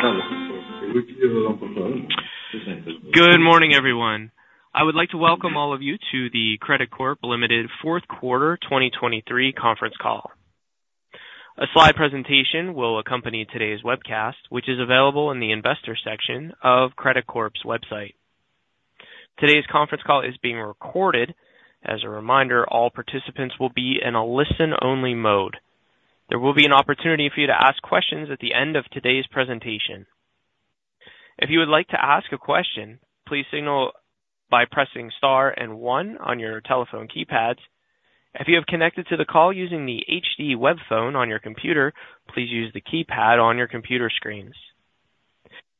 Good morning, everyone. I would like to welcome all of you to the Credicorp Limited fourth quarter 2023 conference call. A slide presentation will accompany today's webcast, which is available in the investor section of Credicorp's website. Today's conference call is being recorded. As a reminder, all participants will be in a listen-only mode. There will be an opportunity for you to ask questions at the end of today's presentation. If you would like to ask a question, please signal by pressing star and one on your telephone keypads. If you have connected to the call using the HD web phone on your computer, please use the keypad on your computer screens.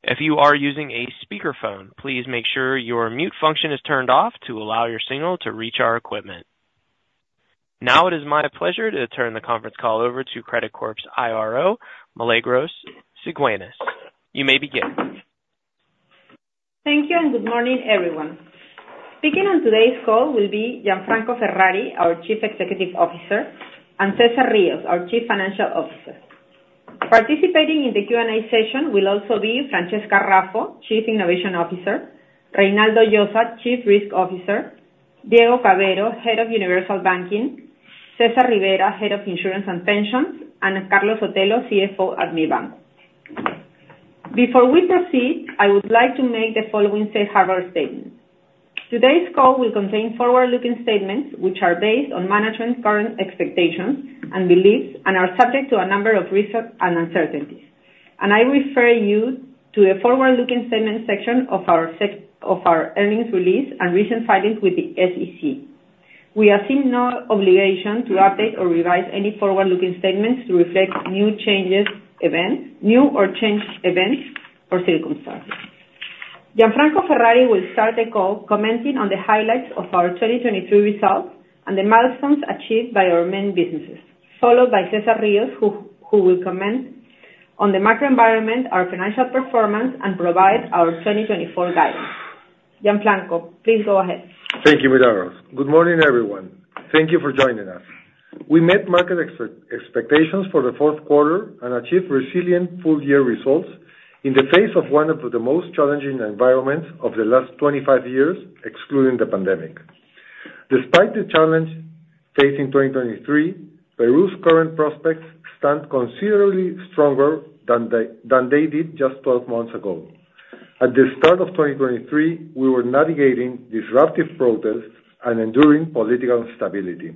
If you are using a speakerphone, please make sure your mute function is turned off to allow your signal to reach our equipment. Now it is my pleasure to turn the conference call over to Credicorp's IRO, Milagros Cigueñas. You may begin. Thank you, and good morning, everyone. Speaking on today's call will be Gianfranco Ferrari, our Chief Executive Officer, and Cesar Rios, our Chief Financial Officer. Participating in the Q&A session will also be Francesca Raffo, Chief Innovation Officer, Reynaldo Llosa, Chief Risk Officer, Diego Cavero, Head of Universal Banking, Cesar Rivera, Head of Insurance and Pensions, and Carlos Sotelo, CFO at Mibanco. Before we proceed, I would like to make the following safe harbor statement. Today's call will contain forward-looking statements, which are based on management's current expectations and beliefs and are subject to a number of risks and uncertainties. I refer you to a forward-looking statement section of our SEC of our earnings release and recent filings with the SEC. We assume no obligation to update or revise any forward-looking statements to reflect new changes, events, new or changed events or circumstances. Gianfranco Ferrari will start the call commenting on the highlights of our 2023 results and the milestones achieved by our main businesses, followed by Cesar Rios, who will comment on the macro environment, our financial performance, and provide our 2024 guidance. Gianfranco, please go ahead. Thank you, Milagros. Good morning, everyone. Thank you for joining us. We met market expectations for the fourth quarter and achieved resilient full year results in the face of one of the most challenging environments of the last 25 years, excluding the pandemic. Despite the challenge faced in 2023, Peru's current prospects stand considerably stronger than they did just 12 months ago. At the start of 2023, we were navigating disruptive protests and enduring political instability.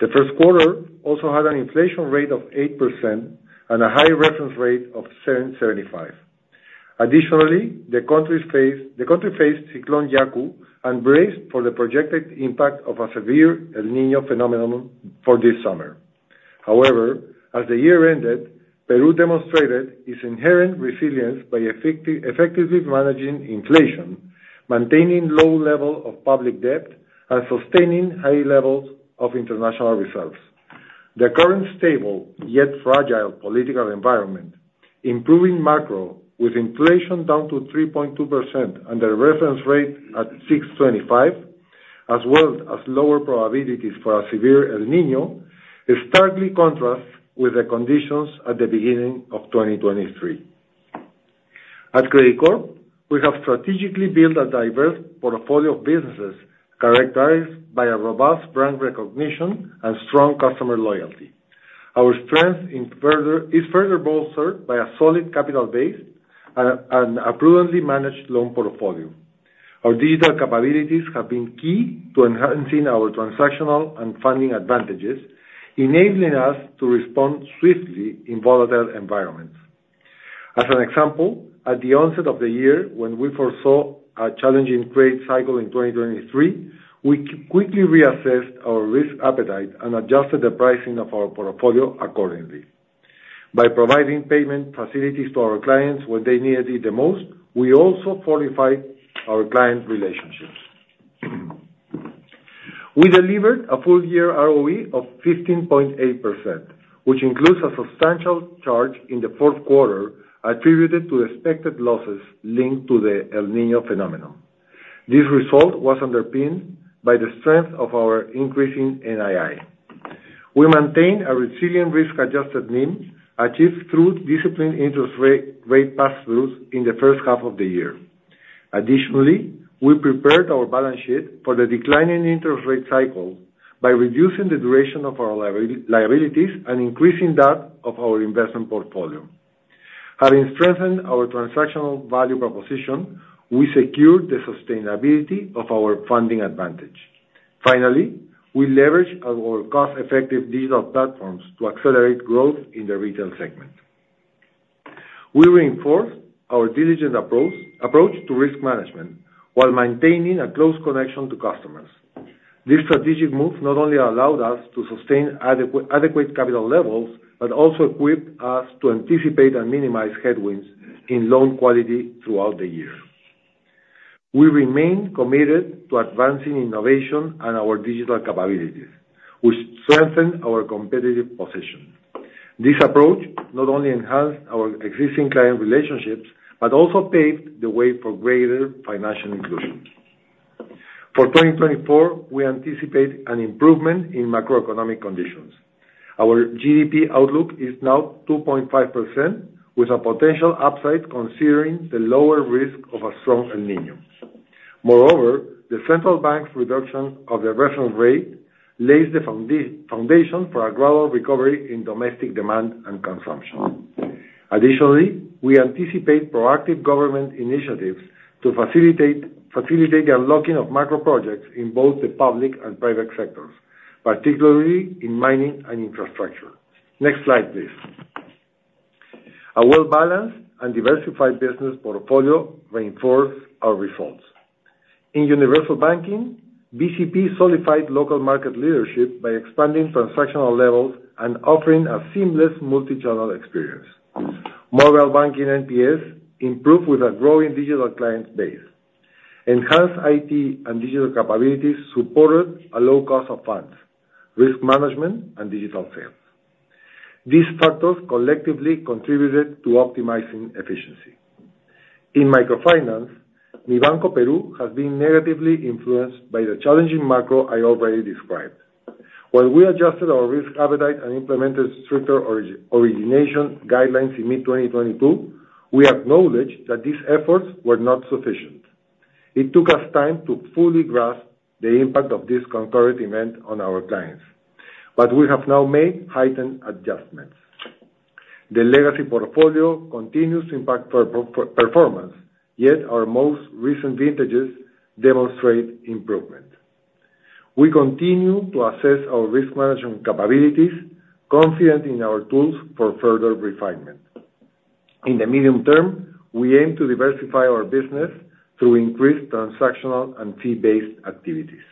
The first quarter also had an inflation rate of 8% and a high reference rate of 7.75. Additionally, the country faced Cyclone Yaku and braced for the projected impact of a severe El Niño phenomenon for this summer. However, as the year ended, Peru demonstrated its inherent resilience by effectively managing inflation, maintaining low level of public debt, and sustaining high levels of international reserves. The current stable, yet fragile political environment, improving macro with inflation down to 3.2% and the reference rate at 6.25, as well as lower probabilities for a severe El Niño, it starkly contrasts with the conditions at the beginning of 2023. At Credicorp, we have strategically built a diverse portfolio of businesses characterized by a robust brand recognition and strong customer loyalty. Our strength is further bolstered by a solid capital base and a prudently managed loan portfolio. Our digital capabilities have been key to enhancing our transactional and funding advantages, enabling us to respond swiftly in volatile environments. As an example, at the onset of the year, when we foresaw a challenging trade cycle in 2023, we quickly reassessed our risk appetite and adjusted the pricing of our portfolio accordingly. By providing payment facilities to our clients when they needed it the most, we also fortified our client relationships. We delivered a full year ROE of 15.8%, which includes a substantial charge in the fourth quarter, attributed to expected losses linked to the El Niño phenomenon. This result was underpinned by the strength of our increasing NII. We maintained a resilient risk-adjusted NIM, achieved through disciplined interest rate, rate pass-throughs in the first half of the year. Additionally, we prepared our balance sheet for the declining interest rate cycle by reducing the duration of our liabilities and increasing that of our investment portfolio. Having strengthened our transactional value proposition, we secured the sustainability of our funding advantage. Finally, we leveraged our cost-effective digital platforms to accelerate growth in the retail segment. We reinforced our diligent approach to risk management while maintaining a close connection to customers. This strategic move not only allowed us to sustain adequate capital levels, but also equipped us to anticipate and minimize headwinds in loan quality throughout the year. We remain committed to advancing innovation and our digital capabilities, which strengthen our competitive position. This approach not only enhanced our existing client relationships, but also paved the way for greater financial inclusion. For 2024, we anticipate an improvement in macroeconomic conditions. Our GDP outlook is now 2.5%, with a potential upside, considering the lower risk of a strong El Niño. Moreover, the central bank's reduction of the reference rate lays the foundation for a global recovery in domestic demand and consumption. Additionally, we anticipate proactive government initiatives to facilitate the unlocking of macro projects in both the public and private sectors, particularly in mining and infrastructure. Next slide, please. A well-balanced and diversified business portfolio reinforces our results. In universal banking, BCP solidified local market leadership by expanding transactional levels and offering a seamless multi-channel experience. Mobile banking NPS improved with a growing digital client base. Enhanced IT and digital capabilities supported a low cost of funds, risk management, and digital sales. These factors collectively contributed to optimizing efficiency. In microfinance, Mibanco Peru has been negatively influenced by the challenging macro I already described. While we adjusted our risk appetite and implemented stricter origination guidelines in mid-2022, we acknowledge that these efforts were not sufficient. It took us time to fully grasp the impact of this concurrent event on our clients, but we have now made heightened adjustments. The legacy portfolio continues to impact performance, yet our most recent vintages demonstrate improvement. We continue to assess our risk management capabilities, confident in our tools for further refinement. In the medium term, we aim to diversify our business through increased transactional and fee-based activities.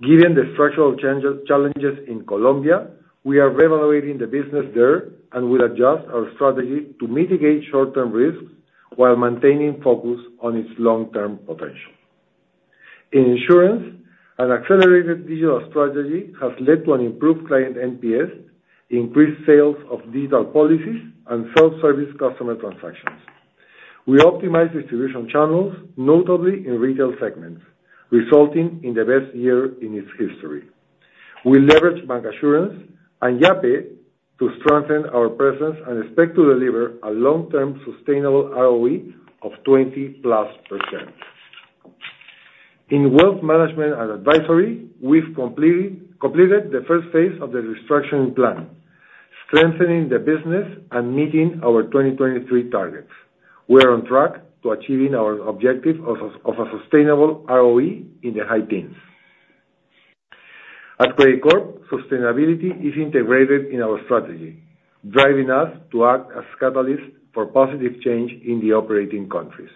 Given the structural challenges in Colombia, we are reevaluating the business there and will adjust our strategy to mitigate short-term risks while maintaining focus on its long-term potential. In insurance, an accelerated digital strategy has led to an improved client NPS, increased sales of digital policies, and self-service customer transactions. We optimize distribution channels, notably in retail segments, resulting in the best year in its history. We leverage bancassurance and Yape to strengthen our presence and expect to deliver a long-term sustainable ROE of 20%+. In wealth management and advisory, we've completed the first phase of the restructuring plan, strengthening the business and meeting our 2023 targets. We are on track to achieving our objective of a sustainable ROE in the high teens. At Credicorp, sustainability is integrated in our strategy, driving us to act as catalyst for positive change in the operating countries.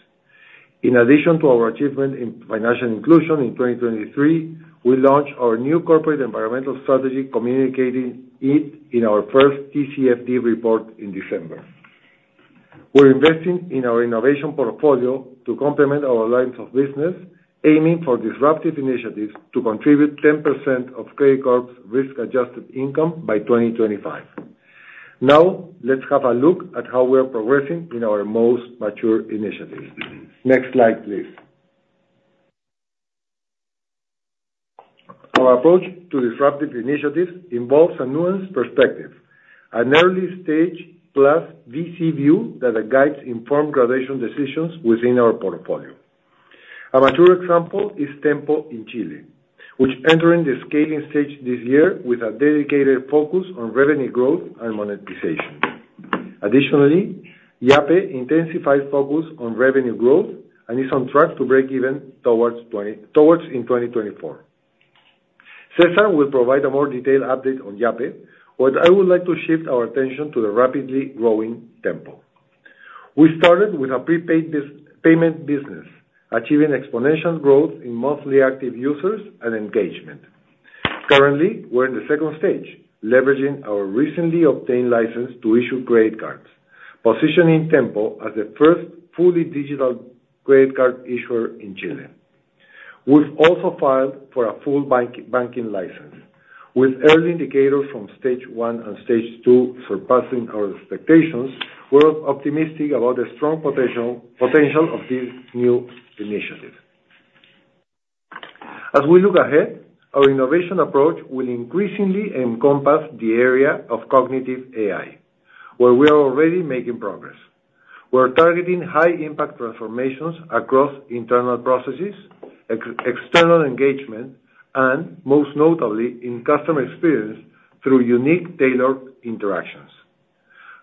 In addition to our achievement in financial inclusion in 2023, we launched our new corporate environmental strategy, communicating it in our first TCFD report in December. We're investing in our innovation portfolio to complement our lines of business, aiming for disruptive initiatives to contribute 10% of Credicorp's risk-adjusted income by 2025. Now, let's have a look at how we are progressing in our most mature initiatives. Next slide, please. Our approach to disruptive initiatives involves a nuanced perspective, an early stage plus VC view that guides informed graduation decisions within our portfolio. A mature example is Tenpo in Chile, which entering the scaling stage this year with a dedicated focus on revenue growth and monetization. Additionally, Yape intensified focus on revenue growth and is on track to break even towards 2024. Cesar will provide a more detailed update on Yape, but I would like to shift our attention to the rapidly growing Tenpo. We started with a prepaid bus payment business, achieving exponential growth in monthly active users and engagement. Currently, we're in the second stage, leveraging our recently obtained license to issue credit cards, positioning Tenpo as the first fully digital credit card issuer in Chile. We've also filed for a full banking license. With early indicators from stage one and stage two surpassing our expectations, we're optimistic about the strong potential, potential of this new initiative. As we look ahead, our innovation approach will increasingly encompass the area of cognitive AI, where we are already making progress. We're targeting high-impact transformations across internal processes, external engagement, and most notably, in customer experience through unique, tailored interactions.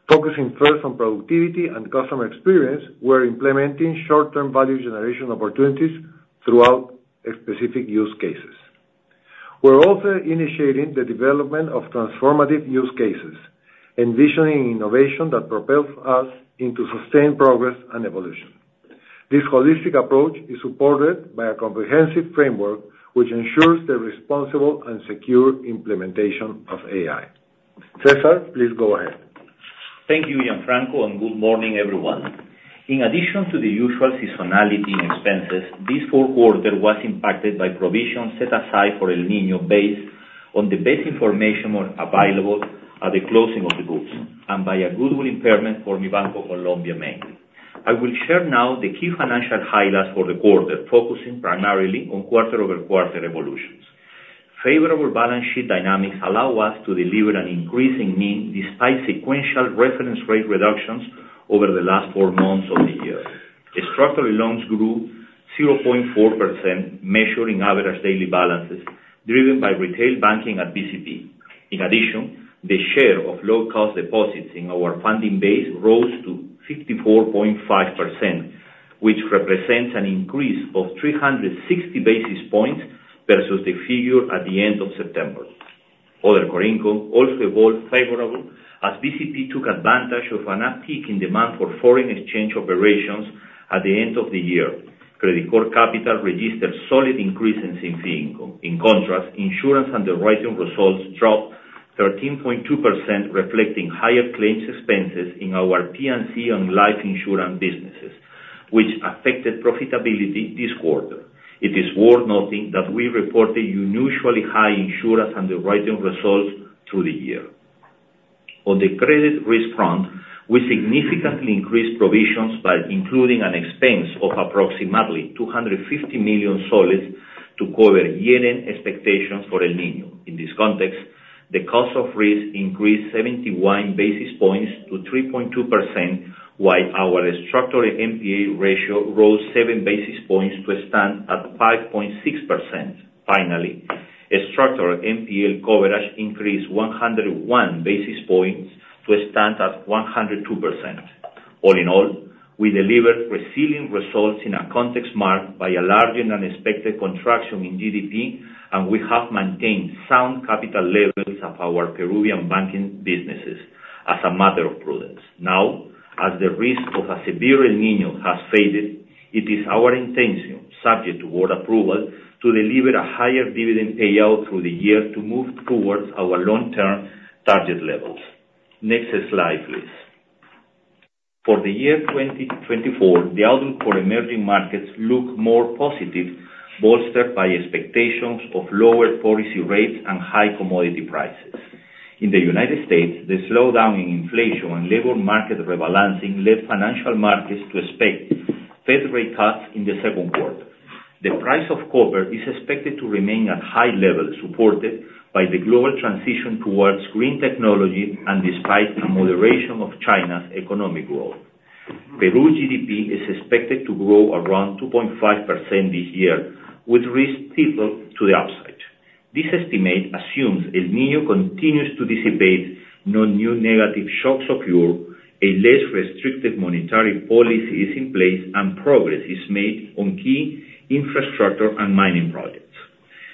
Focusing first on productivity and customer experience, we're implementing short-term value generation opportunities throughout specific use cases. We're also initiating the development of transformative use cases, envisioning innovation that propels us into sustained progress and evolution. This holistic approach is supported by a comprehensive framework, which ensures the responsible and secure implementation of AI. Cesar, please go ahead. Thank you, Gianfranco, and good morning, everyone. In addition to the usual seasonality in expenses, this fourth quarter was impacted by provisions set aside for El Niño based on the best information available at the closing of the books, and by a goodwill impairment for Mibanco Colombia, mainly. I will share now the key financial highlights for the quarter, focusing primarily on quarter-over-quarter evolutions. Favorable balance sheet dynamics allow us to deliver an increasing NIM, despite sequential reference rate reductions over the last four months of the year. The structural loans grew 0.4%, measuring average daily balances, driven by retail banking at BCP. In addition, the share of low-cost deposits in our funding base rose to 54.5%, which represents an increase of 360 basis points versus the figure at the end of September. Other core income also evolved favorable, as BCP took advantage of an uptick in demand for foreign exchange operations at the end of the year. Credicorp Capital registered solid increases in fee income. In contrast, insurance underwriting results dropped 13.2%, reflecting higher claims expenses in our P&C and life insurance businesses, which affected profitability this quarter. It is worth noting that we reported unusually high insurance underwriting results through the year. On the credit risk front, we significantly increased provisions by including an expense of approximately PEN 250 million to cover year-end expectations for El Niño. In this context, the cost of risk increased 71 basis points to 3.2%, while our structural NPA ratio rose 7 basis points to stand at 5.6%. Finally, structural NPL coverage increased 101 basis points to stand at 102%. All in all, we delivered resilient results in a context marked by a larger than expected contraction in GDP, and we have maintained sound capital levels of our Peruvian banking businesses as a matter of prudence. Now, as the risk of a severe El Niño has faded, it is our intention, subject to board approval, to deliver a higher dividend payout through the year to move towards our long-term target levels. Next slide, please. For the year 2024, the outlook for emerging markets look more positive, bolstered by expectations of lower policy rates and high commodity prices. In the United States, the slowdown in inflation and labor market rebalancing led financial markets to expect Fed rate cuts in the second quarter. The price of copper is expected to remain at high levels, supported by the global transition towards green technology and despite a moderation of China's economic growth. Peru's GDP is expected to grow around 2.5% this year, with risk tilted to the upside. This estimate assumes El Niño continues to dissipate, no new negative shocks occur, a less restrictive monetary policy is in place, and progress is made on key infrastructure and mining projects.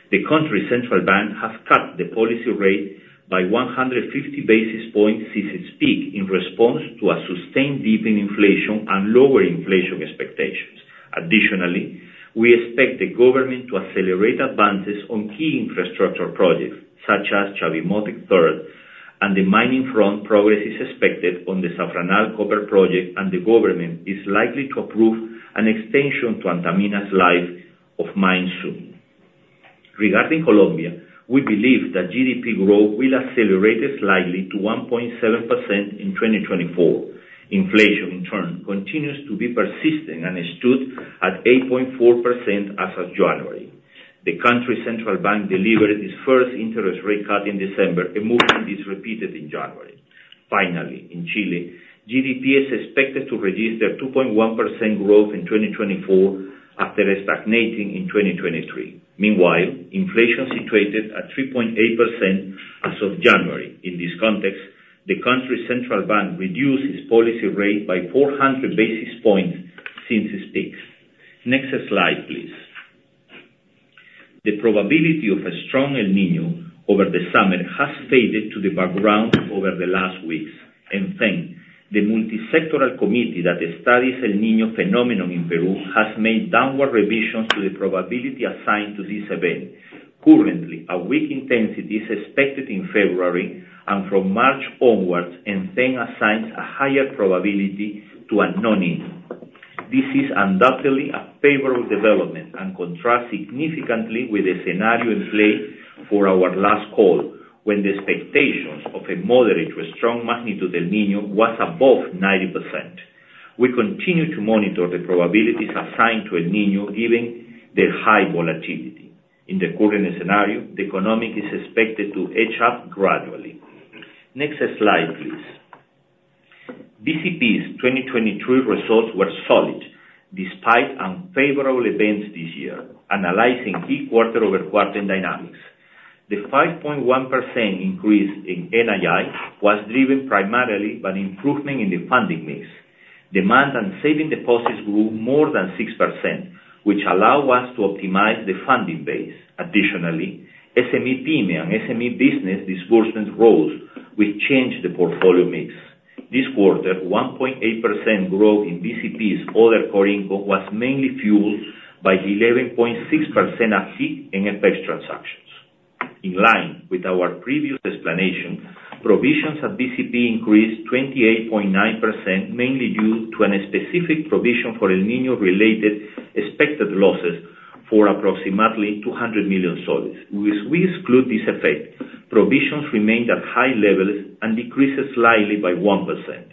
The country's central bank has cut the policy rate by 150 basis points since its peak, in response to a sustained dip in inflation and lower inflation expectations. Additionally, we expect the government to accelerate advances on key infrastructure projects, such as Chavimochic III, and the mining front progress is expected on the Zafranal copper project, and the government is likely to approve an extension to Antamina's life of mine soon. Regarding Colombia, we believe that GDP growth will accelerate slightly to 1.7% in 2024. Inflation, in turn, continues to be persistent and stood at 8.4% as of January. The country's central bank delivered its first interest rate cut in December, a movement is repeated in January. Finally, in Chile, GDP is expected to reduce their 2.1% growth in 2024 after stagnating in 2023. Meanwhile, inflation situated at 3.8% as of January. In this context, the country's central bank reduced its policy rate by 400 basis points since its peaks. Next slide, please. The probability of a strong El Niño over the summer has faded to the background over the last weeks. ENFEN, the multisectoral committee that studies El Niño phenomenon in Peru, has made downward revisions to the probability assigned to this event. Currently, a weak intensity is expected in February, and from March onwards, ENFEN assigns a higher probability to a no Niño. This is undoubtedly a favorable development and contrasts significantly with the scenario in play for our last call, when the expectations of a moderate to strong magnitude El Niño was above 90%. We continue to monitor the probabilities assigned to El Niño, given the high volatility. In the current scenario, the economy is expected to edge up gradually. Next slide, please. BCP's 2023 results were solid, despite unfavorable events this year. Analyzing key quarter-over-quarter dynamics, the 5.1% increase in NII was driven primarily by an improvement in the funding mix. Demand and saving deposits grew more than 6%, which allow us to optimize the funding base. Additionally, SME lending and SME business disbursement rose, which changed the portfolio mix. This quarter, 1.8% growth in BCP's other core income was mainly fueled by 11.6% uptick in FX transactions. In line with our previous explanation, provisions at BCP increased 28.9%, mainly due to a specific provision for El Niño-related expected losses for approximately PEN 200 million. We exclude this effect. Provisions remained at high levels and decreased slightly by 1%.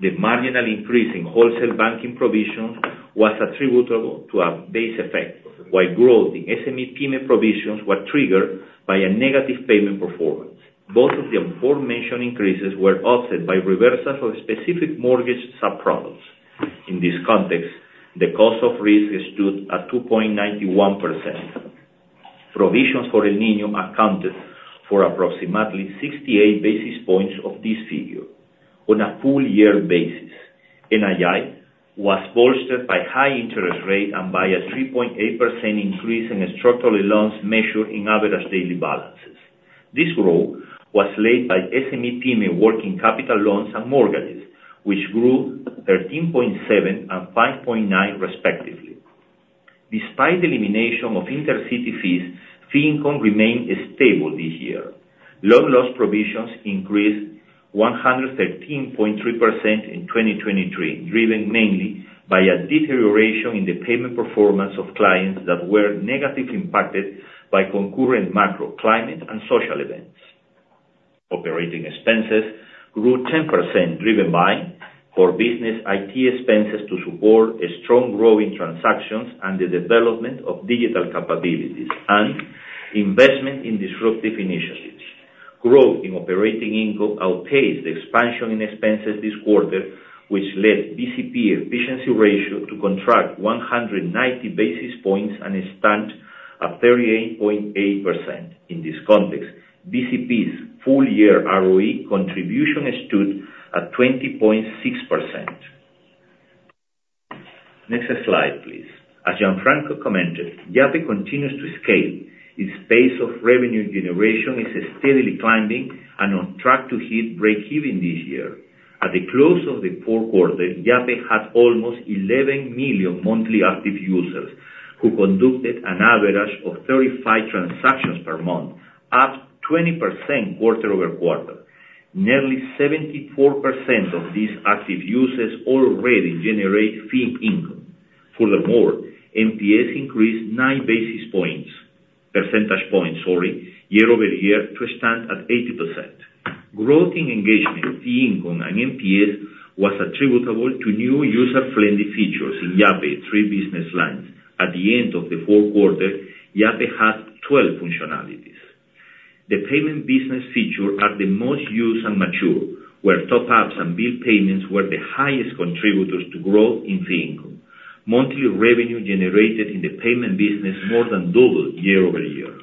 The marginal increase in wholesale banking provisions was attributable to a base effect, while growth in SME PYME provisions were triggered by a negative payment performance. Both of the aforementioned increases were offset by reversals of specific mortgage sub-products. In this context, the cost of risk stood at 2.91%. Provisions for El Niño accounted for approximately 68 basis points of this figure. On a full year basis, NII was bolstered by high interest rate and by a 3.8% increase in structural loans measured in average daily balances. This growth was led by SME PYME working capital loans and mortgages, which grew 13.7 and 5.9 respectively. Despite the elimination of interchange fees, fee income remained stable this year. Loan loss provisions increased 113.3% in 2023, driven mainly by a deterioration in the payment performance of clients that were negatively impacted by concurrent macroclimate and social events. Operating expenses grew 10%, driven by core business IT expenses to support a strong growth in transactions and the development of digital capabilities and investment in disruptive initiatives. Growth in operating income outpaced the expansion in expenses this quarter, which led BCP efficiency ratio to contract 190 basis points and stand at 38.8%. In this context, BCP's full year ROE contribution stood at 20.6%. Next slide, please. As Gianfranco commented, Yape continues to scale. Its pace of revenue generation is steadily climbing and on track to hit breakeven this year. At the close of the fourth quarter, Yape had almost 11 million monthly active users, who conducted an average of 35 transactions per month, up 20% quarter-over-quarter. Nearly 74% of these active users already generate fee income. Furthermore, NPS increased nine basis points, percentage points, sorry, year-over-year, to stand at 80%. Growth in engagement, fee income, and NPS was attributable to new user-friendly features in Yape three business lines. At the end of the fourth quarter, Yape had 12 functionalities. The payment business feature are the most used and mature, where top-ups and bill payments were the highest contributors to growth in fee income. Monthly revenue generated in the payment business more than doubled year-over-year.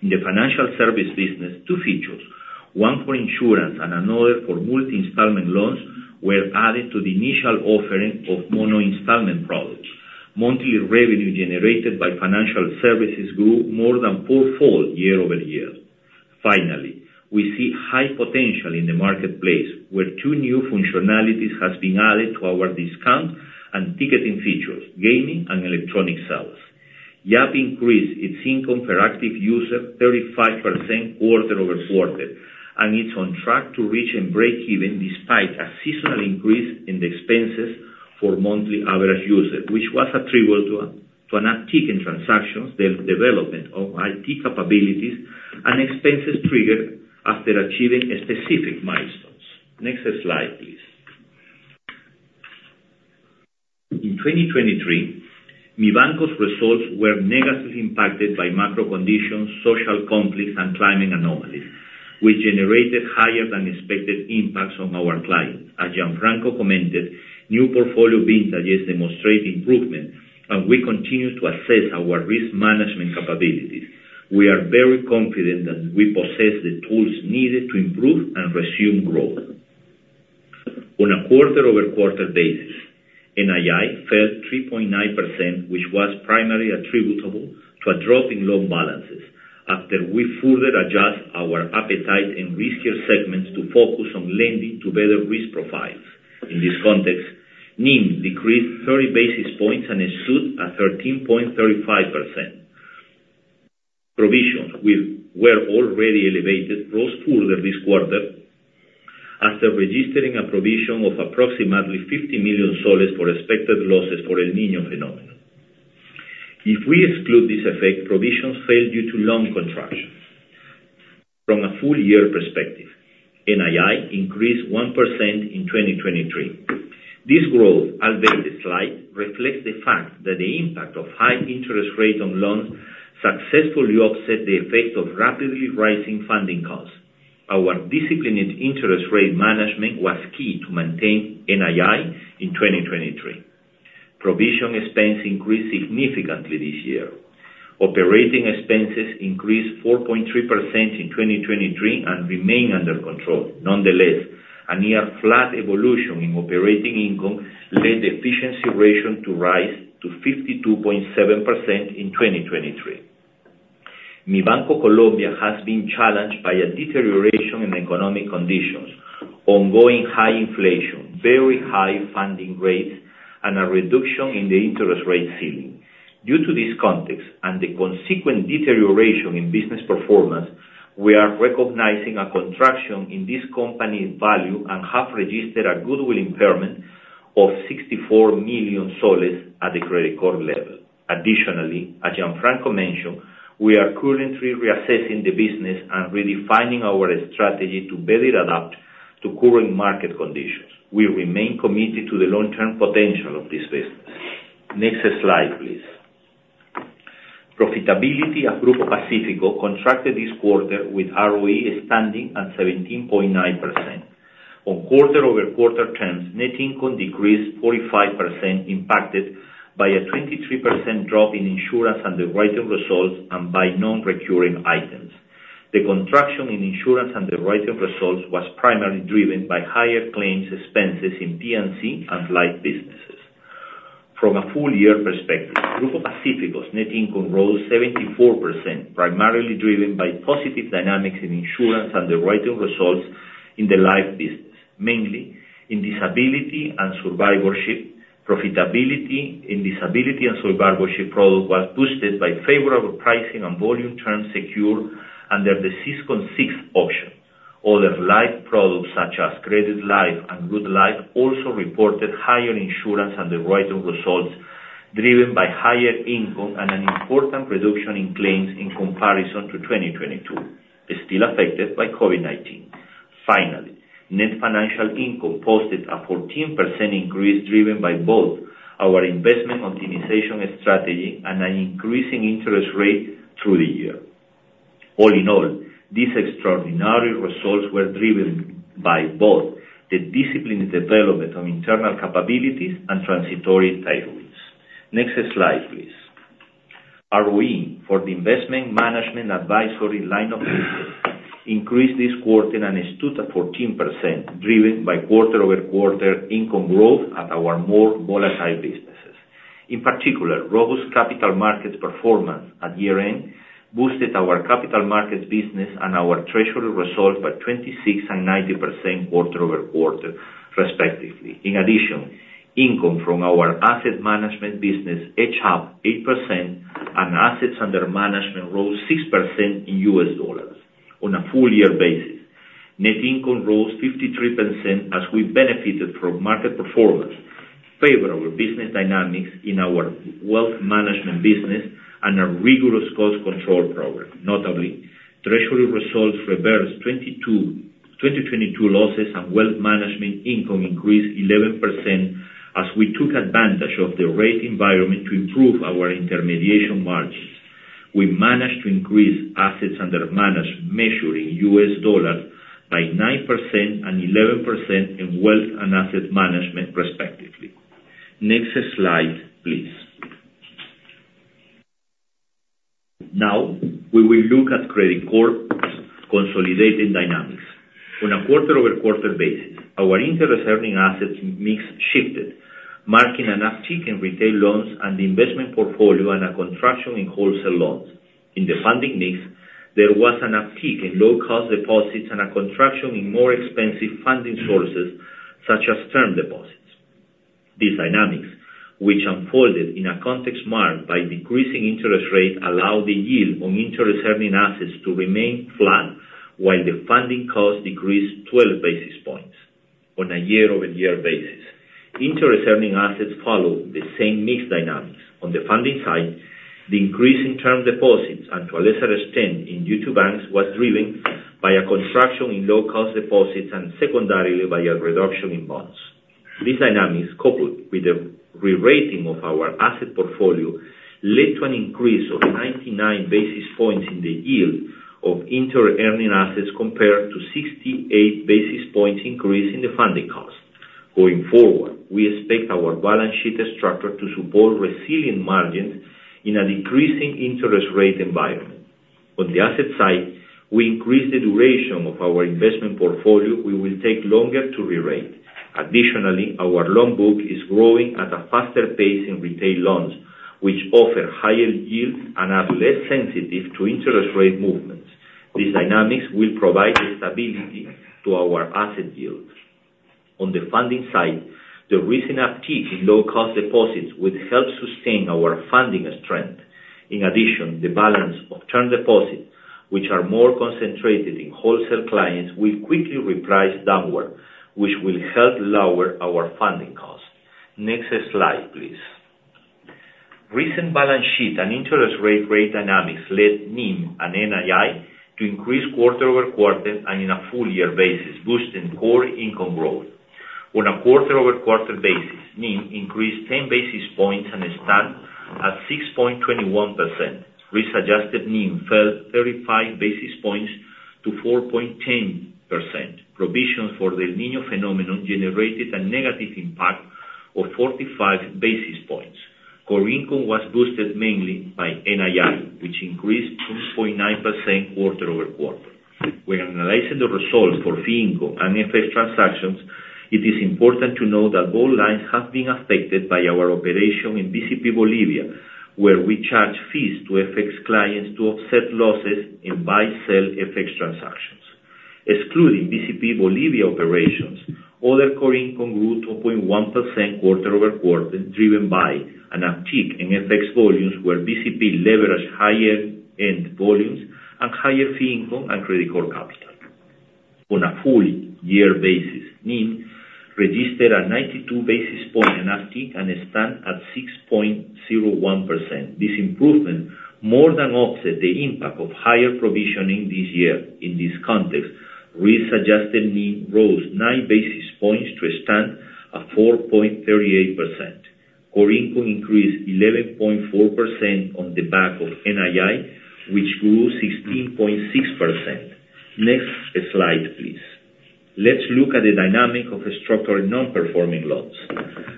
In the financial service business, two features, one for insurance and another for multi-installment loans, were added to the initial offering of mono-installment products. Monthly revenue generated by financial services grew more than fourfold year-over-year. Finally, we see high potential in the marketplace, where two new functionalities has been added to our discount and ticketing features, gaming and electronic sales. Yape increased its income per active user 35% quarter-over-quarter, and it's on track to reach and breakeven, despite a seasonal increase in the expenses for monthly average users, which was attributable to an uptick in transactions, the development of IT capabilities and expenses triggered after achieving specific milestones. Next slide, please. In 2023, Mibanco's results were negatively impacted by macro conditions, social conflicts, and climate anomalies, which generated higher than expected impacts on our clients. As Gianfranco commented, new portfolio vintages demonstrate improvement, and we continue to assess our risk management capabilities. We are very confident that we possess the tools needed to improve and resume growth. On a quarter-over-quarter basis, NII fell 3.9%, which was primarily attributable to a drop in loan balances, after we further adjusted our appetite in riskier segments to focus on lending to better risk profiles. In this context, NIM decreased 30 basis points and it stood at 13.35%. Provisions, which were already elevated, rose further this quarter after registering a provision of approximately PEN 50 million for expected losses for El Niño phenomenon. If we exclude this effect, provisions fell due to loan contractions. From a full year perspective, NII increased 1% in 2023. This growth, albeit slight, reflects the fact that the impact of high interest rates on loans successfully offset the effect of rapidly rising funding costs. Our disciplined interest rate management was key to maintain NII in 2023. Provision expense increased significantly this year. Operating expenses increased 4.3% in 2023 and remain under control. Nonetheless, a near flat evolution in operating income led the efficiency ratio to rise to 52.7% in 2023. Mibanco Colombia has been challenged by a deterioration in economic conditions, ongoing high inflation, very high funding rates, and a reduction in the interest rate ceiling. Due to this context and the consequent deterioration in business performance, we are recognizing a contraction in this company's value and have registered a goodwill impairment of PEN 64 million at the Credicorp level. Additionally, as Gianfranco mentioned, we are currently reassessing the business and redefining our strategy to better adapt to current market conditions. We remain committed to the long-term potential of this business. Next slide, please. Profitability at Grupo Pacifico contracted this quarter, with ROE standing at 17.9%. On quarter-over-quarter terms, net income decreased 45%, impacted by a 23% drop in insurance underwriting results and by non-recurring items. The contraction in insurance underwriting results was primarily driven by higher claims expenses in P&C and life businesses. From a full year perspective, Grupo Pacifico's net income rose 74%, primarily driven by positive dynamics in insurance underwriting results in the life business, mainly in disability and survivorship. Profitability in disability and survivorship product was boosted by favorable pricing and volume terms secured under the SISCO VI auction. Other life products, such as Credit Life and Group Life, also reported higher insurance underwriting results, driven by higher income and an important reduction in claims in comparison to 2022, still affected by COVID-19. Finally, net financial income posted a 14% increase, driven by both our investment optimization strategy and an increasing interest rate through the year. All in all, these extraordinary results were driven by both the disciplined development of internal capabilities and transitory tailwinds. Next slide, please. ROE for the investment management advisory line of business increased this quarter and stood at 14%, driven by quarter-over-quarter income growth at our more volatile businesses. In particular, robust capital markets performance at year-end boosted our capital markets business and our treasury results by 26% and 90% quarter-over-quarter, respectively. In addition, income from our asset management business edged up 8%, and assets under management rose 6% in U.S. dollars. On a full year basis, net income rose 53% as we benefited from market performance, favorable business dynamics in our wealth management business, and a rigorous cost control program. Notably, treasury results reversed 2022 losses, and wealth management income increased 11%, as we took advantage of the rate environment to improve our intermediation margins. We managed to increase assets under management, measuring U.S. dollar, by 9% and 11% in wealth and asset management, respectively. Next slide, please. Now, we will look at Credicorp's consolidated dynamics. On a quarter-over-quarter basis, our interest earning assets mix shifted, marking an uptick in retail loans and the investment portfolio and a contraction in wholesale loans. In the funding mix, there was an uptick in low-cost deposits and a contraction in more expensive funding sources, such as term deposits. These dynamics, which unfolded in a context marked by decreasing interest rates, allowed the yield on interest-earning assets to remain flat, while the funding cost decreased 12 basis points on a year-over-year basis. Interest-earning assets followed the same mix dynamics. On the funding side, the increase in term deposits, and to a lesser extent, in due to banks, was driven by a contraction in low-cost deposits and secondarily by a reduction in bonds. These dynamics, coupled with the rerating of our asset portfolio, led to an increase of 99 basis points in the yield of interest-earning assets, compared to 68 basis points increase in the funding cost. Going forward, we expect our balance sheet structure to support resilient margins in a decreasing interest rate environment. On the asset side, we increased the duration of our investment portfolio; we will take longer to rerate. Additionally, our loan book is growing at a faster pace in retail loans, which offer higher yields and are less sensitive to interest rate movements. These dynamics will provide stability to our asset yields. On the funding side, the recent uptick in low-cost deposits will help sustain our funding strength. In addition, the balance of term deposits, which are more concentrated in wholesale clients, will quickly reprice downward, which will help lower our funding costs. Next slide, please. Recent balance sheet and interest rate dynamics led NIM and NII to increase quarter-over-quarter and on a full-year basis, boosting core income growth. On a quarter-over-quarter basis, NIM increased 10 basis points and stands at 6.21%. This adjusted NIM fell 35 basis points to 4.10%. Provisions for the El Niño phenomenon generated a negative impact of 45 basis points. Core income was boosted mainly by NII, which increased 2.9% quarter-over-quarter. When analyzing the results for fee income and FX transactions, it is important to note that both lines have been affected by our operation in BCP Bolivia, where we charge fees to FX clients to offset losses in buy-sell FX transactions. Excluding BCP Bolivia operations, other core income grew 2.1% quarter over quarter, driven by an uptick in FX volumes, where BCP leveraged higher end volumes and higher fee income and Credicorp Capital.... On a full year basis, NIM registered a 92 basis point uptick and stands at 6.01%. This improvement more than offset the impact of higher provisioning this year. In this context, risk-adjusted NIM rose 9 basis points to stand at 4.38%. Core income increased 11.4% on the back of NII, which grew 16.6%. Next slide, please. Let's look at the dynamic of the structural non-performing loans.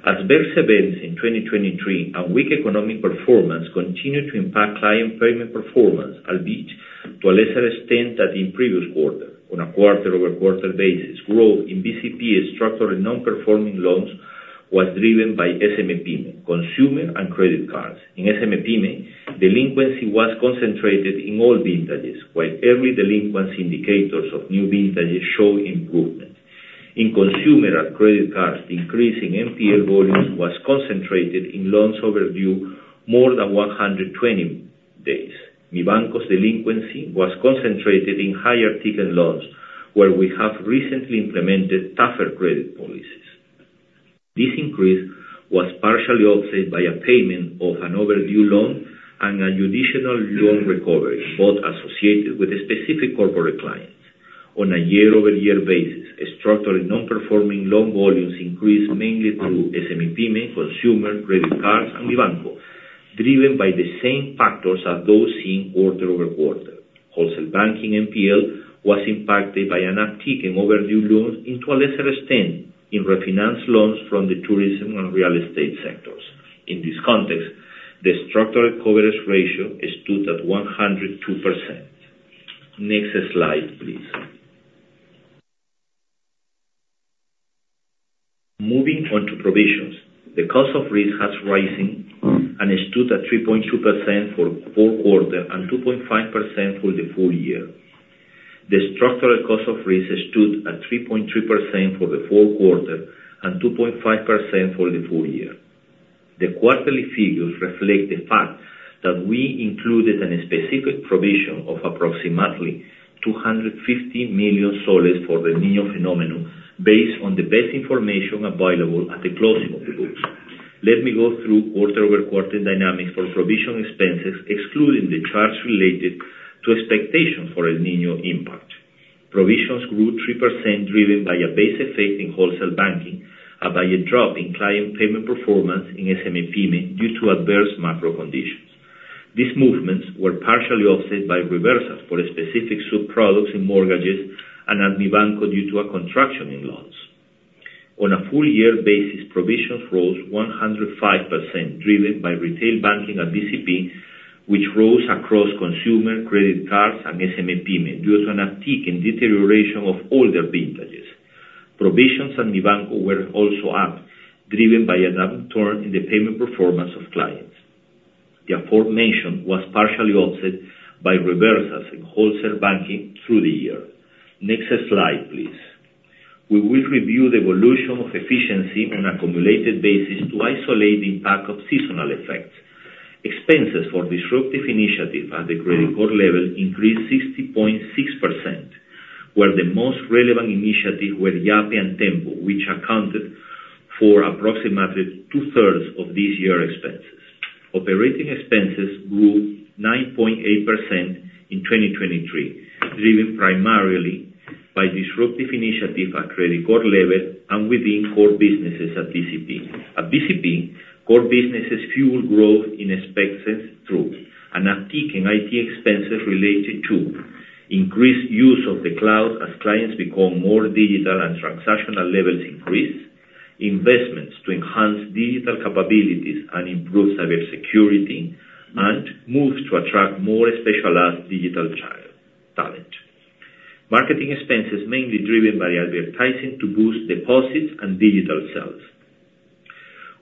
Adverse events in 2023 and weak economic performance continued to impact client payment performance, albeit to a lesser extent than the previous quarter. On a quarter-over-quarter basis, growth in BCP structural non-performing loans was driven by SME-Pyme, consumer, and credit cards. In SME-Pyme delinquency was concentrated in all vintages, while early delinquency indicators of new vintages show improvement. In consumer and credit cards, increasing NPL volumes was concentrated in loans overdue more than 120 days. Mibanco's delinquency was concentrated in higher-ticket loans, where we have recently implemented tougher credit policies. This increase was partially offset by a payment of an overdue loan and an additional loan recovery, both associated with specific corporate clients. On a year-over-year basis, structural non-performing loan volumes increased mainly through SME-Pyme, consumer, credit cards, and Mibanco, driven by the same factors as those seen quarter-over-quarter. Wholesale banking NPL was impacted by an uptick in overdue loans to a lesser extent in refinanced loans from the tourism and real estate sectors. In this context, the structural coverage ratio stood at 102%. Next slide, please. Moving on to provisions, the cost of risk has risen and stood at 3.2% for fourth quarter and 2.5% for the full year. The structural cost of risk stood at 3.3% for the fourth quarter and 2.5% for the full year. The quarterly figures reflect the fact that we included a specific provision of approximately PEN 250 million for the El Niño phenomenon, based on the best information available at the closing of the books. Let me go through quarter-over-quarter dynamics for provision expenses, excluding the charts related to expectation for El Niño impact. Provisions grew 3%, driven by a base effect in wholesale banking and by a drop in client payment performance in SME-Pyme due to adverse macro conditions. These movements were partially offset by reversals for specific sub-products in mortgages and at Mibanco due to a contraction in loans. On a full year basis, provisions rose 105%, driven by retail banking at BCP, which rose across consumer, credit cards, and SME-Pyme due to an uptick in deterioration of older vintages. Provisions at Mibanco were also up, driven by a downturn in the payment performance of clients. The aforementioned was partially offset by reversals in wholesale banking through the year. Next slide, please. We will review the evolution of efficiency on an accumulated basis to isolate the impact of seasonal effects. Expenses for disruptive initiatives at the Credicorp level increased 60.6%, where the most relevant initiatives were Yape and Tenpo, which accounted for approximately two-thirds of this year's expenses. Operating expenses grew 9.8% in 2023, driven primarily by disruptive initiatives at Credicorp level and within core businesses at BCP. At BCP, core businesses fueled growth in expenses through an uptick in IT expenses related to increased use of the cloud as clients become more digital and transactional levels increase, investments to enhance digital capabilities and improve cybersecurity, and moves to attract more specialized digital talent. Marketing expenses mainly driven by advertising to boost deposits and digital sales.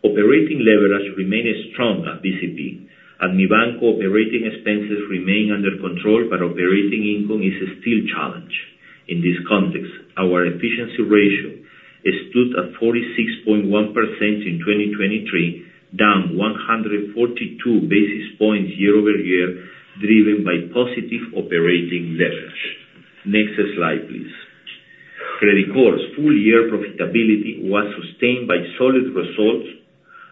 Operating leverage remained strong at BCP. At Mibanco, operating expenses remain under control, but operating income is still challenged. In this context, our efficiency ratio stood at 46.1% in 2023, down 142 basis points year-over-year, driven by positive operating leverage. Next slide, please. Credicorp's full-year profitability was sustained by solid results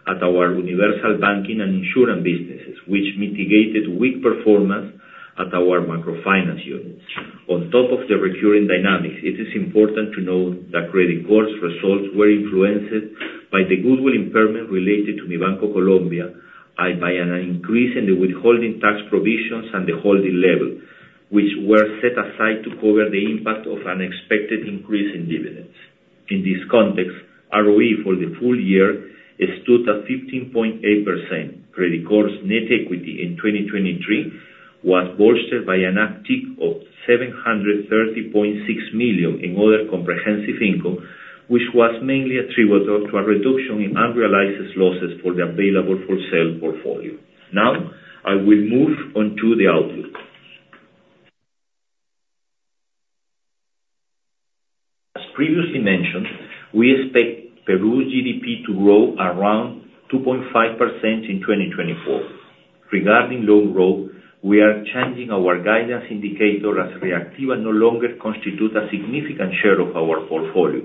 at our universal banking and insurance businesses, which mitigated weak performance at our microfinance units. On top of the recurring dynamics, it is important to note that Credicorp's results were influenced by the goodwill impairment related to Mibanco Colombia, and by an increase in the withholding tax provisions at the holding level, which were set aside to cover the impact of an expected increase in dividends. In this context, ROE for the full year stood at 15.8%. Credicorp's net equity in 2023 was bolstered by an uptick of $730.6 million in other comprehensive income, which was mainly attributable to a reduction in unrealized losses for the available-for-sale portfolio. Now, I will move on to the outlook. Previously mentioned, we expect Peru's GDP to grow around 2.5% in 2024. Regarding loan growth, we are changing our guidance indicator as Reactiva no longer constitute a significant share of our portfolio.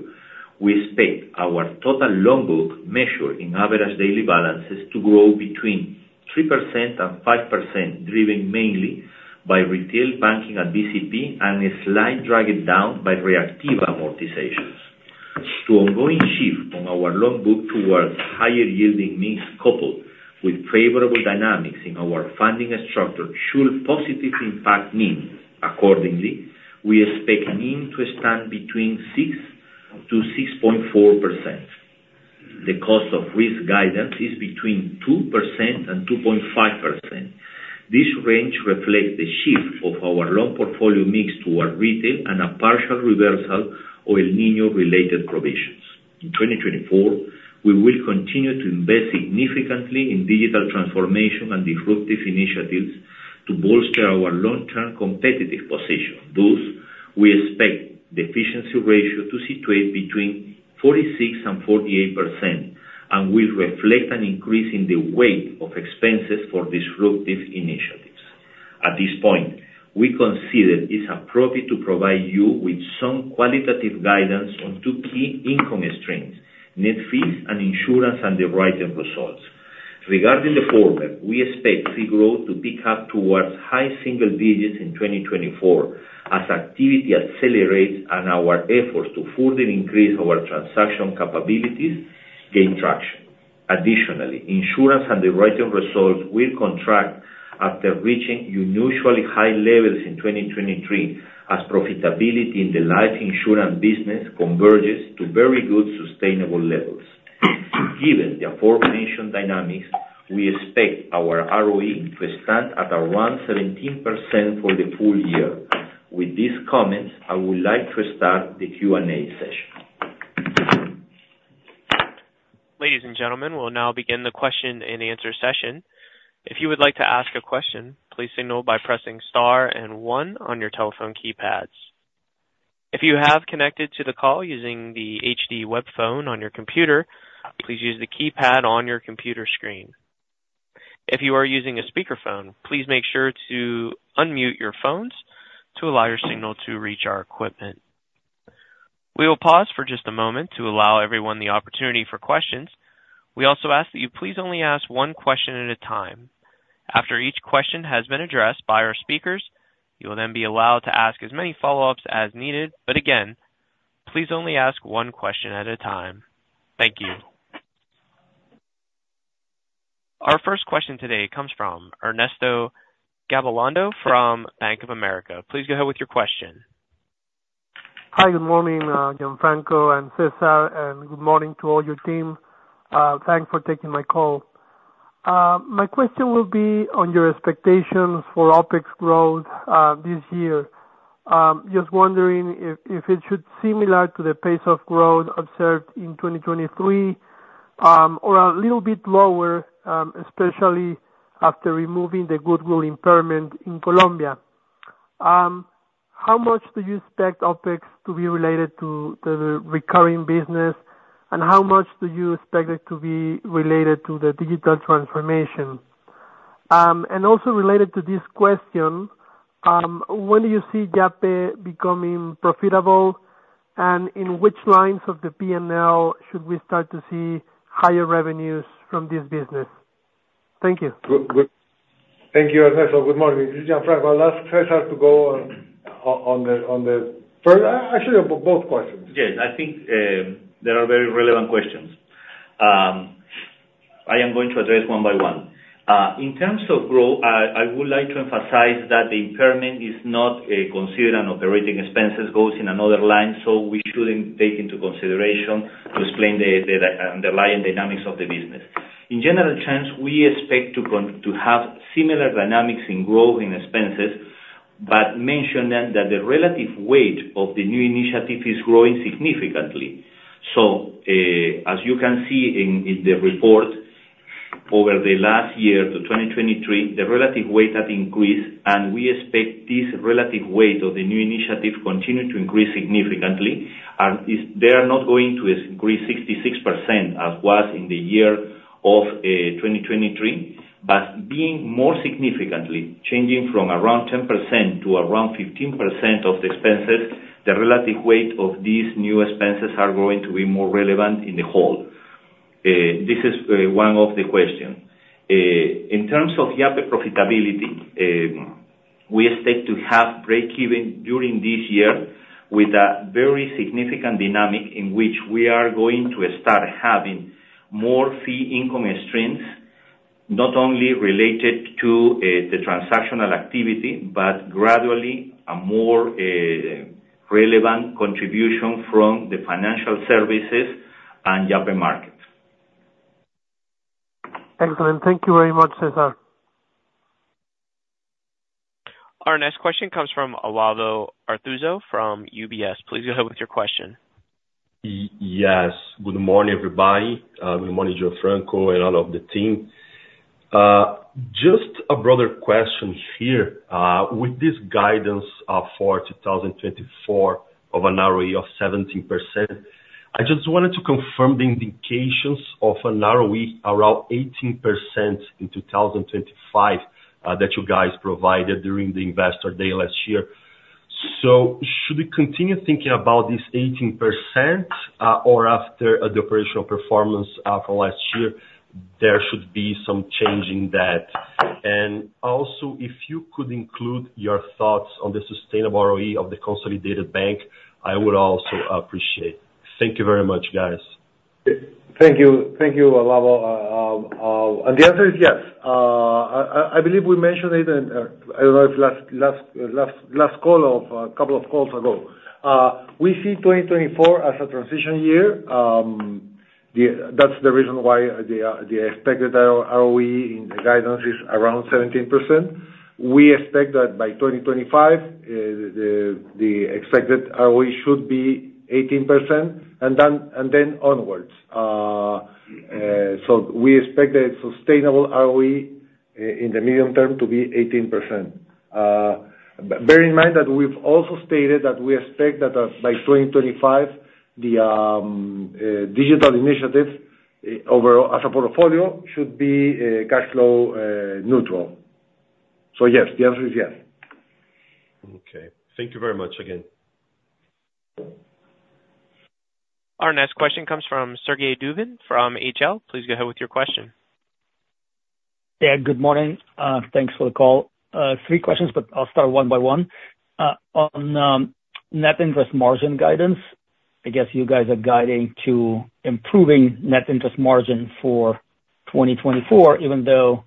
We expect our total loan book measure in average daily balances to grow between 3% and 5%, driven mainly by retail banking at BCP and a slight drag it down by Reactiva amortizations. The ongoing shift from our loan book towards higher yielding mix, coupled with favorable dynamics in our funding structure, should positively impact NIM. Accordingly, we expect NIM to stand between 6%-6.4%. The cost of risk guidance is between 2% and 2.5%. This range reflects the shift of our loan portfolio mix towards retail and a partial reversal of El Niño related provisions. In 2024, we will continue to invest significantly in digital transformation and disruptive initiatives to bolster our long-term competitive position. Thus, we expect the efficiency ratio to situate between 46% and 48%, and will reflect an increase in the weight of expenses for disruptive initiatives. At this point, we consider it's appropriate to provide you with some qualitative guidance on two key income streams, net fees and insurance, and the underwriting results. Regarding the former, we expect fee growth to pick up towards high single digits in 2024 as activity accelerates and our efforts to further increase our transaction capabilities gain traction. Additionally, insurance and the underwriting results will contract after reaching unusually high levels in 2023, as profitability in the life insurance business converges to very good sustainable levels. Given the aforementioned dynamics, we expect our ROE to stand at around 17% for the full year. With these comments, I would like to start the Q&A session. Ladies and gentlemen, we'll now begin the question and answer session. If you would like to ask a question, please signal by pressing star and one on your telephone keypads. If you have connected to the call using the HD web phone on your computer, please use the keypad on your computer screen. If you are using a speakerphone, please make sure to unmute your phones to allow your signal to reach our equipment. We will pause for just a moment to allow everyone the opportunity for questions. We also ask that you please only ask one question at a time. After each question has been addressed by our speakers, you will then be allowed to ask as many follow-ups as needed. But again, please only ask one question at a time. Thank you. Our first question today comes from Ernesto Gabilondo from Bank of America. Please go ahead with your question. Hi, good morning, Gianfranco and Cesar, and good morning to all your team. Thanks for taking my call. My question will be on your expectations for OpEx growth this year. Just wondering if, if it should be similar to the pace of growth observed in 2023, or a little bit lower, especially after removing the goodwill impairment in Colombia. How much do you expect OpEx to be related to the recurring business, and how much do you expect it to be related to the digital transformation? And also related to this question, when do you see Yape becoming profitable, and in which lines of the PNL should we start to see higher revenues from this business? Thank you. Good, good. Thank you, Ernesto. Good morning. This is Gianfranco. I'll ask Cesar to go on the first. Actually, on both questions. Yes, I think they are very relevant questions. I am going to address one by one. In terms of growth, I would like to emphasize that the impairment is not considered an operating expense, goes in another line, so we shouldn't take into consideration to explain the underlying dynamics of the business. In general terms, we expect to have similar dynamics in growth and expenses, but mention that the relative weight of the new initiative is growing significantly. So, as you can see in, in the report, over the last year to 2023, the relative weight has increased, and we expect this relative weight of the new initiative to continue to increase significantly. They are not going to increase 66%, as was in the year of 2023, but being more significantly, changing from around 10% to around 15% of the expenses, the relative weight of these new expenses are going to be more relevant in the whole. This is one of the question. In terms of Yape profitability, we expect to have breakeven during this year with a very significant dynamic in which we are going to start having more fee income streams, not only related to the transactional activity, but gradually a more relevant contribution from the financial services and Yape market. Excellent. Thank you very much, Cesar. Our next question comes from Alonso Aramburú from UBS. Please go ahead with your question. Yes, good morning, everybody. Good morning, Gianfranco and all of the team. Just a broader question here, with this guidance, for 2024 of an ROE of 17%, I just wanted to confirm the indications of an ROE around 18% in 2025, that you guys provided during the investor day last year. So should we continue thinking about this 18%, or after the operational performance, from last year, there should be some change in that? And also, if you could include your thoughts on the sustainable ROE of the consolidated bank, I would also appreciate. Thank you very much, guys. Thank you. Thank you, Alonso. And the answer is yes. I believe we mentioned it in, I don't know if last call or a couple of calls ago. We see 2024 as a transition year. That's the reason why the expected ROE in the guidance is around 17%. We expect that by 2025, the expected ROE should be 18%, and then onwards. So we expect a sustainable ROE in the medium term to be 18%. Bear in mind that we've also stated that we expect that by 2025, the digital initiatives overall as a portfolio should be cashflow neutral. So yes, the answer is yes. Okay. Thank you very much again. Our next question comes from Sergey Dubin from Harding Loevner. Please go ahead with your question. Yeah, good morning. Thanks for the call. Three questions, but I'll start one by one. On net interest margin guidance, I guess you guys are guiding to improving net interest margin for 2024, even though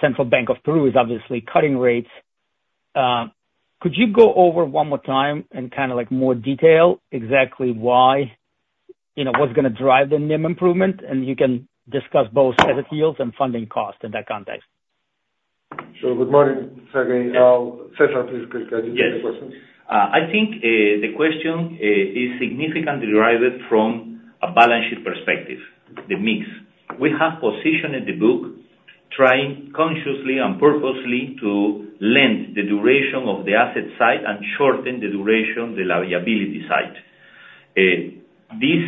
Central Bank of Peru is obviously cutting rates. Could you go over one more time in kind of, like, more detail, exactly why, you know, what's gonna drive the NIM improvement? And you can discuss both asset yields and funding costs in that context. So good morning, Sergey. Cesar, please go ahead with the question. Yes. I think the question is significantly derived from a balance sheet perspective, the mix. We have positioned the book, trying consciously and purposely to lend the duration of the asset side and shorten the duration of the liability side. This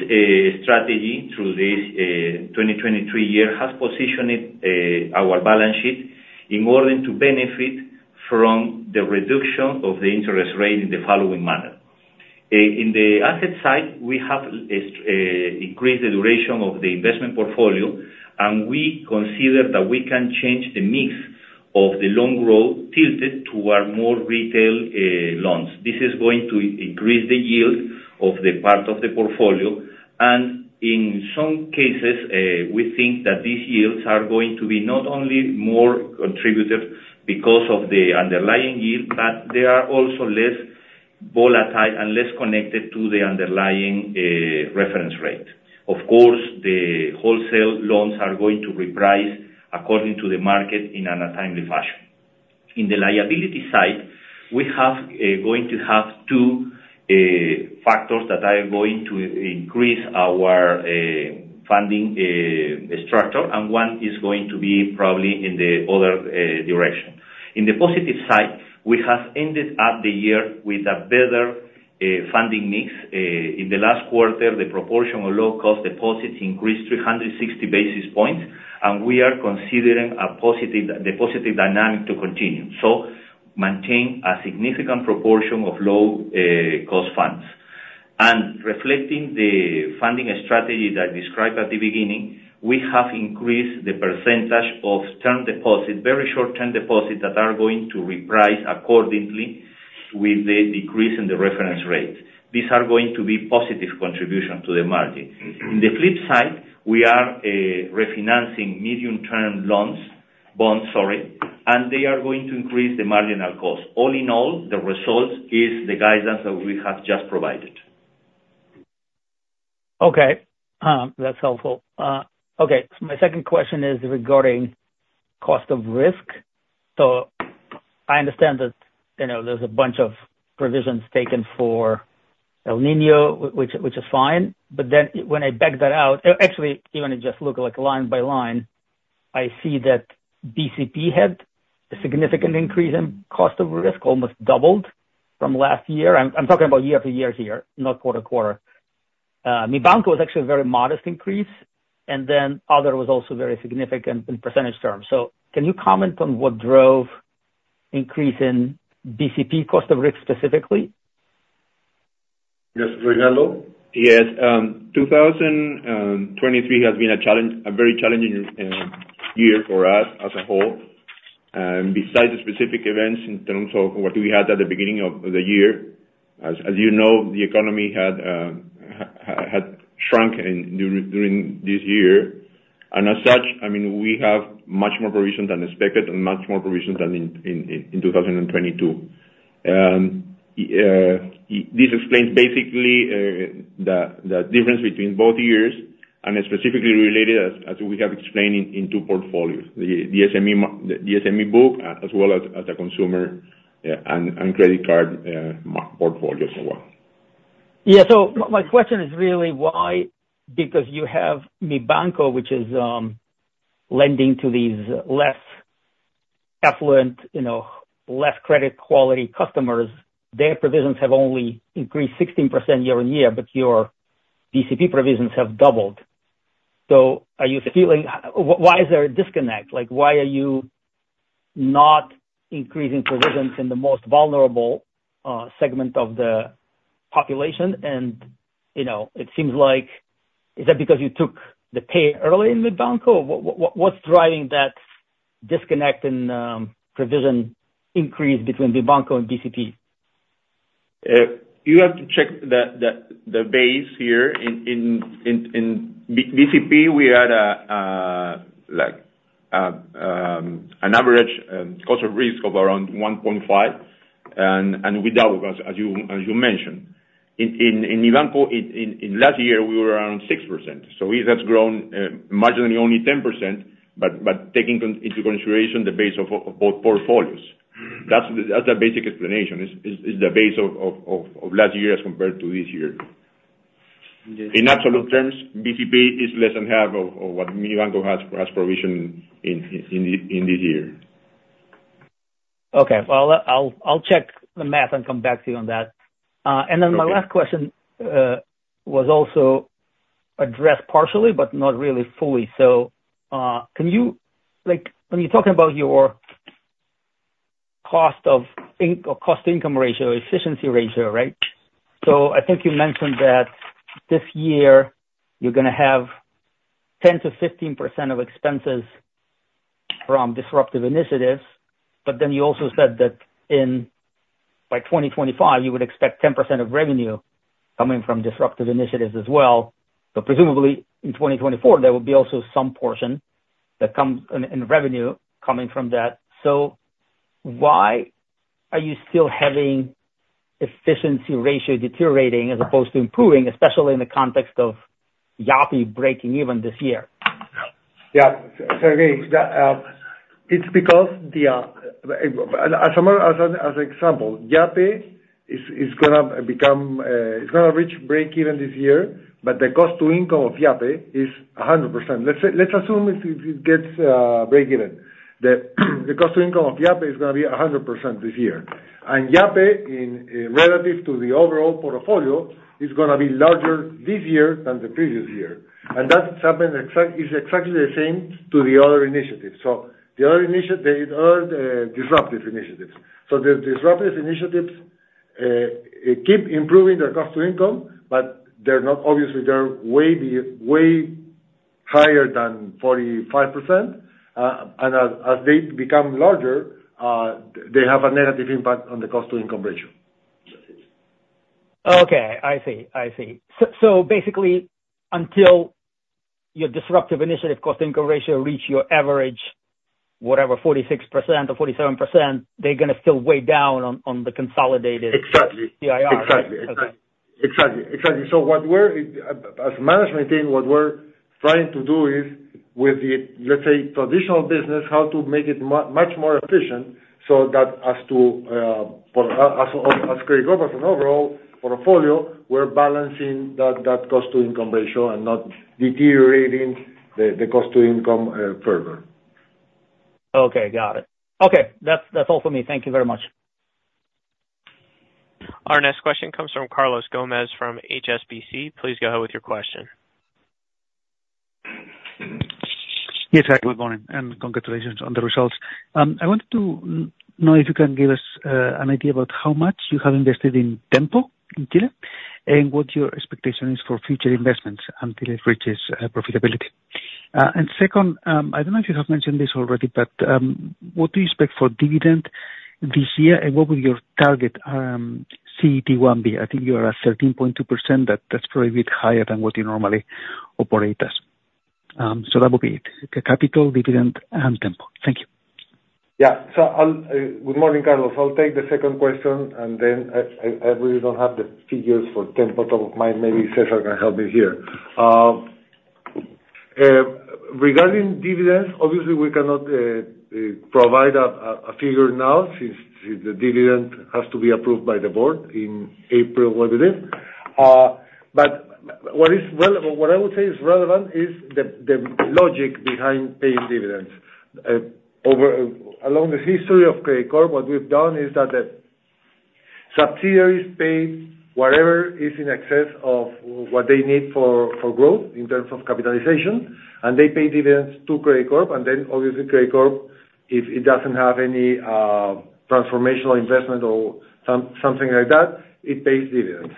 strategy through this 2023 year has positioned our balance sheet in order to benefit from the reduction of the interest rate in the following manner: In the asset side, we have increased the duration of the investment portfolio, and we consider that we can change the mix of the long growth, tilted toward more retail loans. This is going to increase the yield of the part of the portfolio, and in some cases, we think that these yields are going to be not only more contributive because of the underlying yield, but they are also less volatile and less connected to the underlying reference rate. Of course, the wholesale loans are going to reprice according to the market in a timely fashion. In the liability side, we have going to have two factors that are going to increase our funding structure, and one is going to be probably in the other direction. In the positive side, we have ended up the year with a better funding mix. In the last quarter, the proportion of low-cost deposits increased 360 basis points, and we are considering the positive dynamic to continue. So maintain a significant proportion of low cost funds. Reflecting the funding strategy that I described at the beginning, we have increased the percentage of term deposits, very short-term deposits, that are going to reprice accordingly with the decrease in the reference rate. These are going to be positive contribution to the margin. In the flip side, we are refinancing medium-term loans, bonds, sorry, and they are going to increase the marginal cost. All in all, the result is the guidance that we have just provided. Okay. That's helpful. Okay, my second question is regarding cost of risk. So I understand that, you know, there's a bunch of provisions taken for El Niño, which is fine, but then when I back that out. Actually, even it just look like line by line, I see that BCP had a significant increase in cost of risk, almost doubled from last year. I'm talking about year to year here, not quarter-to-quarter. Mibanco is actually a very modest increase, and then other was also very significant in percentage terms. So can you comment on what drove increase in BCP cost of risk specifically? Yes, Reynaldo? Yes, 2023 has been a challenge, a very challenging year for us as a whole. Besides the specific events in terms of what we had at the beginning of the year, as you know, the economy had shrunk during this year. And as such, I mean, we have much more provisions than expected and much more provisions than in 2022. This explains basically the difference between both years and is specifically related, as we have explained, in two portfolios, the SME book, as well as a consumer and credit card portfolio as well. Yeah, so my question is really why, because you have Mibanco, which is, lending to these less affluent, you know, less credit quality customers, their provisions have only increased 16% year-on-year, but your BCP provisions have doubled? So are you feeling, why is there a disconnect? Like, why are you not increasing provisions in the most vulnerable, segment of the population? And, you know, it seems like, is that because you took the pay early in Mibanco, or what, what's driving that disconnect in, provision increase between Mibanco and BCP? You have to check the base here in BCP, we had a like an average cost of risk of around 1.5, and we double as you mentioned. In Mibanco last year we were around 6%, so it has grown marginally only 10%, but taking into consideration the base of both portfolios. That's the basic explanation. Is the base of last year as compared to this year. In absolute terms, BCP is less than half of what Mibanco has provisioned in this year. Okay. Well, I'll check the math and come back to you on that. And then my last question was also addressed partially, but not really fully. So, can you, like, when you're talking about your cost income ratio, efficiency ratio, right? So I think you mentioned that this year you're gonna have 10%-15% of expenses from disruptive initiatives, but then you also said that in, by 2025, you would expect 10% of revenue coming from disruptive initiatives as well. So presumably, in 2024, there will be also some portion that comes in, in revenue coming from that. So why are you still having efficiency ratio deteriorating as opposed to improving, especially in the context of Yape breaking even this year? Yeah. Sergey, that's because, as an example, Yape is gonna reach breakeven this year, but the cost to income of Yape is 100%. Let's assume if it gets breakeven. The cost to income of Yape is gonna be 100% this year. And Yape in relative to the overall portfolio is gonna be larger this year than the previous year. And that's something. It's exactly the same to the other initiatives. So the other disruptive initiatives. So the disruptive initiatives keep improving their cost to income, but they're not obviously. They're way higher than 45%. And as they become larger, they have a negative impact on the cost to income ratio. Okay, I see. So, so basically, until your disruptive initiative cost income ratio reach your average, whatever, 46% or 47%, they're gonna still weigh down on, on the consolidated. Exactly. - CIR. Exactly. Okay. Exactly. So what we're, as management team, what we're trying to do is, with the, let's say, traditional business, how to make it much more efficient, so that as to, for, as, as Credicorp, as an overall portfolio, we're balancing that, that cost to income ratio and not deteriorating the, the cost to income, further. Okay, got it. Okay, that's, that's all for me. Thank you very much. Our next question comes from Carlos Gomez, from HSBC. Please go ahead with your question. Yes, hi, good morning, and congratulations on the results. I wanted to know if you can give us an idea about how much you have invested in Tenpo in Chile, and what your expectation is for future investments until it reaches profitability. And second, I don't know if you have mentioned this already, but what do you expect for dividend this year, and what will your target CET1 be? I think you are at 13.2%. That, that's probably a bit higher than what you normally operate as. So that would be it. The capital dividend and Tenpo. Thank you. Yeah. So I'll Good morning, Carlos. I'll take the second question, and then I really don't have the figures for Tenpo top of mind. Maybe Cesar can help me here. Regarding dividends, obviously we cannot provide a figure now, since the dividend has to be approved by the board in April, I believe. But what is relevant, what I would say is relevant, is the logic behind paying dividends. Over, along the history of Credicorp, what we've done is that the subsidiaries pay whatever is in excess of what they need for growth, in terms of capitalization, and they pay dividends to Credicorp, and then obviously Credicorp, if it doesn't have any transformational investment or something like that, it pays dividends.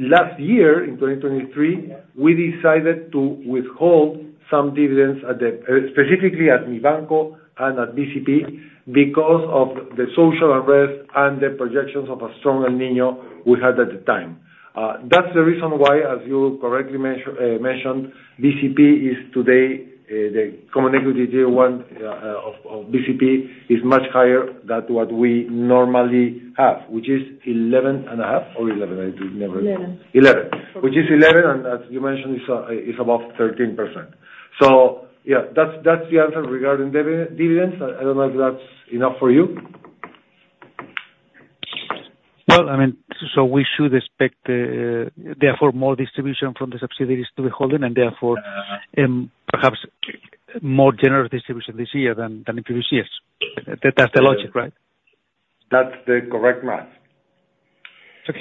Last year, in 2023, we decided to withhold some dividends at the, specifically at Mibanco and at BCP, because of the social unrest and the projections of a strong El Niño we had at the time. That's the reason why, as you correctly mentioned, BCP is today, the Common Equity Tier 1 of BCP, is much higher than what we normally have, which is 11.5 or 11, i think Milagros? 11. 11. Which is 11, and as you mentioned, it's, it's above 13%. So yeah, that's, that's the answer regarding dividends. I don't know if that's enough for you. Well, I mean, so we should expect, therefore, more distribution from the subsidiaries to the holding, and therefore, perhaps more general distribution this year than, than in previous years. That's the logic, right? That's the correct math. Okay.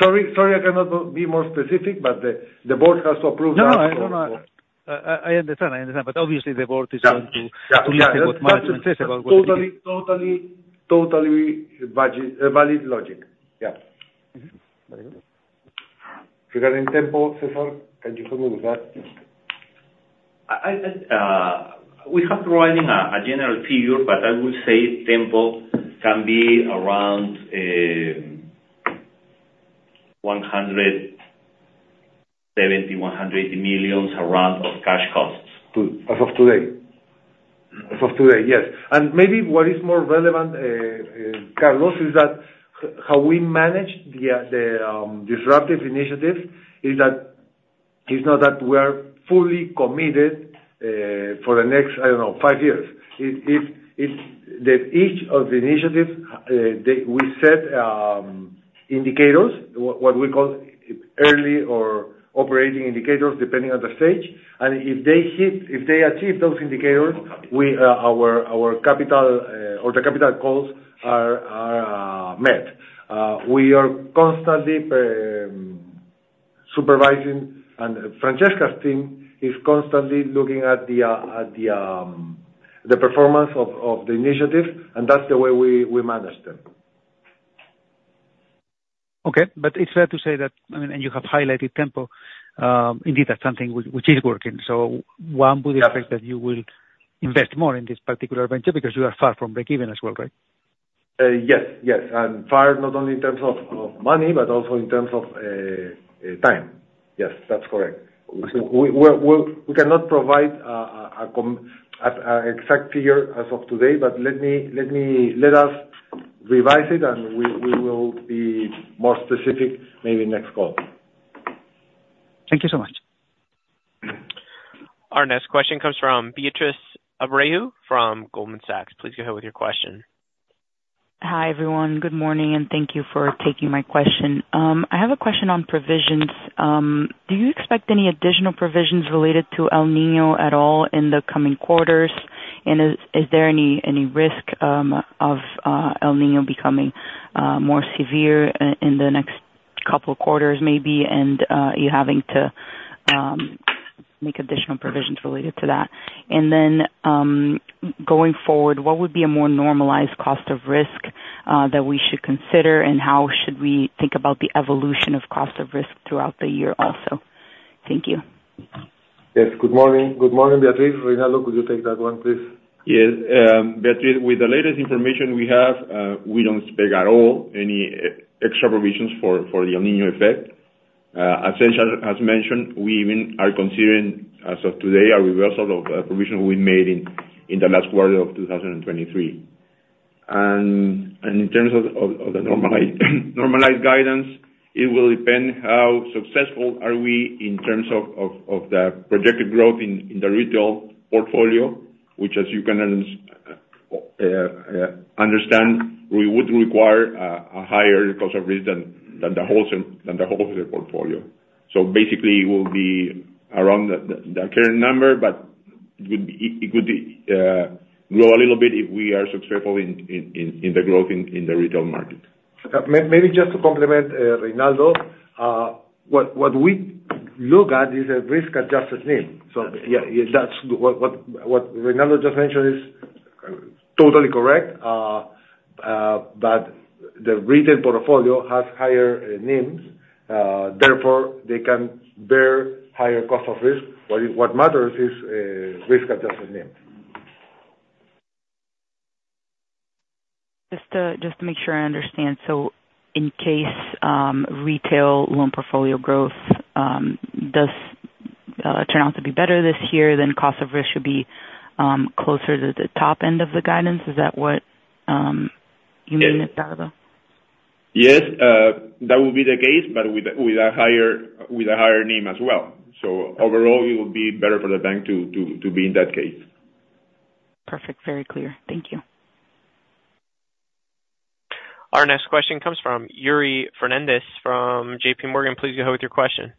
Sorry, I cannot be more specific, but the board has to approve that No, no, I know. I understand. I understand. But obviously the board is going to Yeah. to listen what management says about what Totally, totally, totally budget, valid logic. Yeah. Mm-hmm. Very good. Regarding Tenpo, Cesar, can you help me with that? We have to run in a general figure, but I would say Tenpo can be around PEN 170 million-100 million around of cash costs. To, as of today? As of today, yes. And maybe what is more relevant, Carlos, is that how we manage the disruptive initiatives is that now that we are fully committed for the next, I don't know, five years. It's that each of the initiatives we set indicators, what we call early or operating indicators, depending on the stage. And if they hit, if they achieve those indicators, our capital or the capital calls are met. We are constantly supervising, and Francesca's team is constantly looking at the performance of the initiative, and that's the way we manage them. Okay. But it's fair to say that, I mean, and you have highlighted Tenpo, indeed, that's something which is working. So one would expect Yeah. that you will invest more in this particular venture, because you are far from breakeven as well, right? Yes. Yes. And far, not only in terms of, of money, but also in terms of, time. Yes, that's correct. Okay. We cannot provide an exact figure as of today, but let us revise it, and we will be more specific maybe next call. Thank you so much. Our next question comes from Beatriz Abreu, from Goldman Sachs. Please go ahead with your question. Hi, everyone. Good morning, and thank you for taking my question. I have a question on provisions. Do you expect any additional provisions related to El Niño at all in the coming quarters? And is there any risk of El Niño becoming more severe in the next couple of quarters, maybe, and you having to make additional provisions related to that? And then, going forward, what would be a more normalized cost of risk that we should consider, and how should we think about the evolution of cost of risk throughout the year also? Thank you. Yes, good morning. Good morning, Beatriz. Reynaldo, could you take that one, please? Yes. Beatriz, with the latest information we have, we don't expect at all any extra provisions for the El Niño effect. As Cesar has mentioned, we even are considering, as of today, a reversal of a provision we made in the last quarter of 2023. And in terms of the normalized guidance, it will depend how successful are we in terms of the projected growth in the retail portfolio, which, as you can understand, we would require a higher cost of risk than the wholesale portfolio. So basically, it will be around the current number, but it could grow a little bit if we are successful in the growth in the retail market. Maybe just to complement, Reynaldo, what we look at is a risk-adjusted NIM. So yeah, that's what Reynaldo just mentioned is totally correct. But the retail portfolio has higher NIMs, therefore, they can bear higher cost of risk. What matters is risk-adjusted NIM. Just to, just to make sure I understand: So in case retail loan portfolio growth does turn out to be better this year, then cost of risk should be closer to the top end of the guidance? Is that what you mean, Reynaldo? Yes, that would be the case, but with a higher NIM as well. So overall, it would be better for the bank to be in that case. Perfect. Very clear. Thank you. Our next question comes from Yuri Fernandes from JP Morgan. Please go ahead with your question.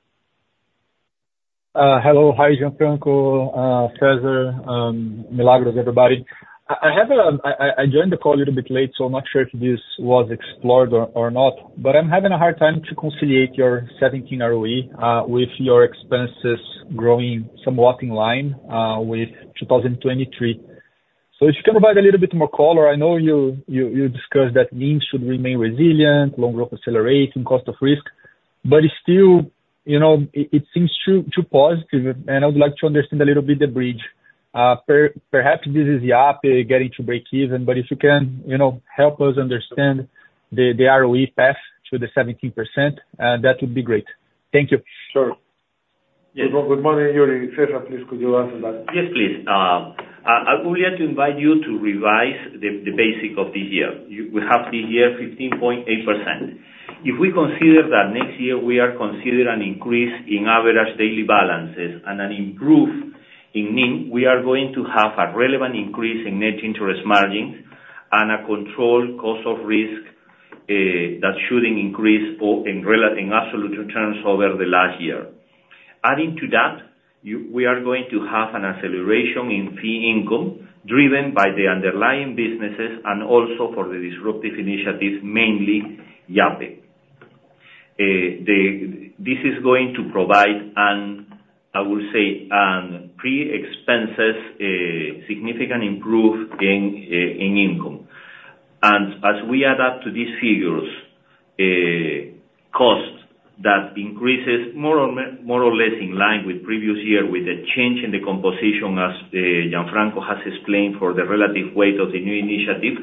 Hello. Hi, Gianfranco, Cesar, Milagros, everybody. I joined the call a little bit late, so I'm not sure if this was explored or not, but I'm having a hard time to conciliate your 17 ROE with your expenses growing somewhat in line with 2023. So if you can provide a little bit more color, I know you discussed that NIM should remain resilient, loan growth accelerating, cost of risk, but it's still, you know, it seems too positive, and I would like to understand a little bit the bridge. Perhaps this is the app getting to breakeven, but if you can, you know, help us understand the ROE path to the 17%, that would be great. Thank you. Sure. Yes. Good morning, Yuri. Cesar, please, could you answer that? Yes, please. I would like to invite you to revise the basic of this year. You, we have this year 15.8%. If we consider that next year, we're considering an increase in average daily balances and an improvement in NIM, we are going to have a relevant increase in net interest margin and a controlled cost of risk that shouldn't increase in absolute terms over the last year. Adding to that, we are going to have an acceleration in fee income, driven by the underlying businesses and also by the disruptive initiatives, mainly Yape. This is going to provide an, I would say, a pre-expenses significant improvement in income. As we add up to these figures, costs that increases more or less in line with previous year, with a change in the composition, as Gianfranco has explained, for the relative weight of the new initiative,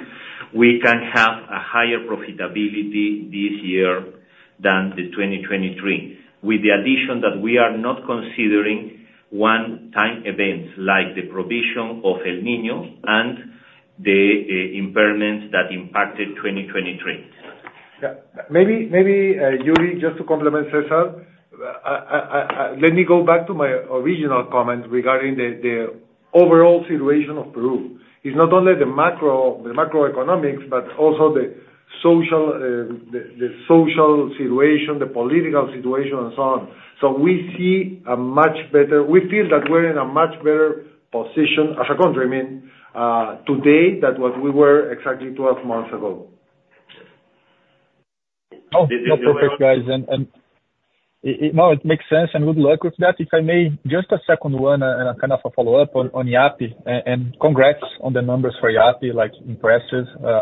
we can have a higher profitability this year than the 2023. With the addition that we are not considering one-time events, like the provision of El Niño and the impairments that impacted 2023. Yeah. Maybe, maybe, Yuri, just to complement Cesar, I let me go back to my original comment regarding the overall situation of Peru. It's not only the macro, macroeconomics, but also the social, social situation, the political situation, and so on. So we see a much better. We feel that we're in a much better position as a country, I mean, today, than what we were exactly 12 months ago. Oh, perfect, guys. And it makes sense, and good luck with that. If I may, just a second one, and a kind of a follow-up on Yape, and congrats on the numbers for Yape, like, impressed,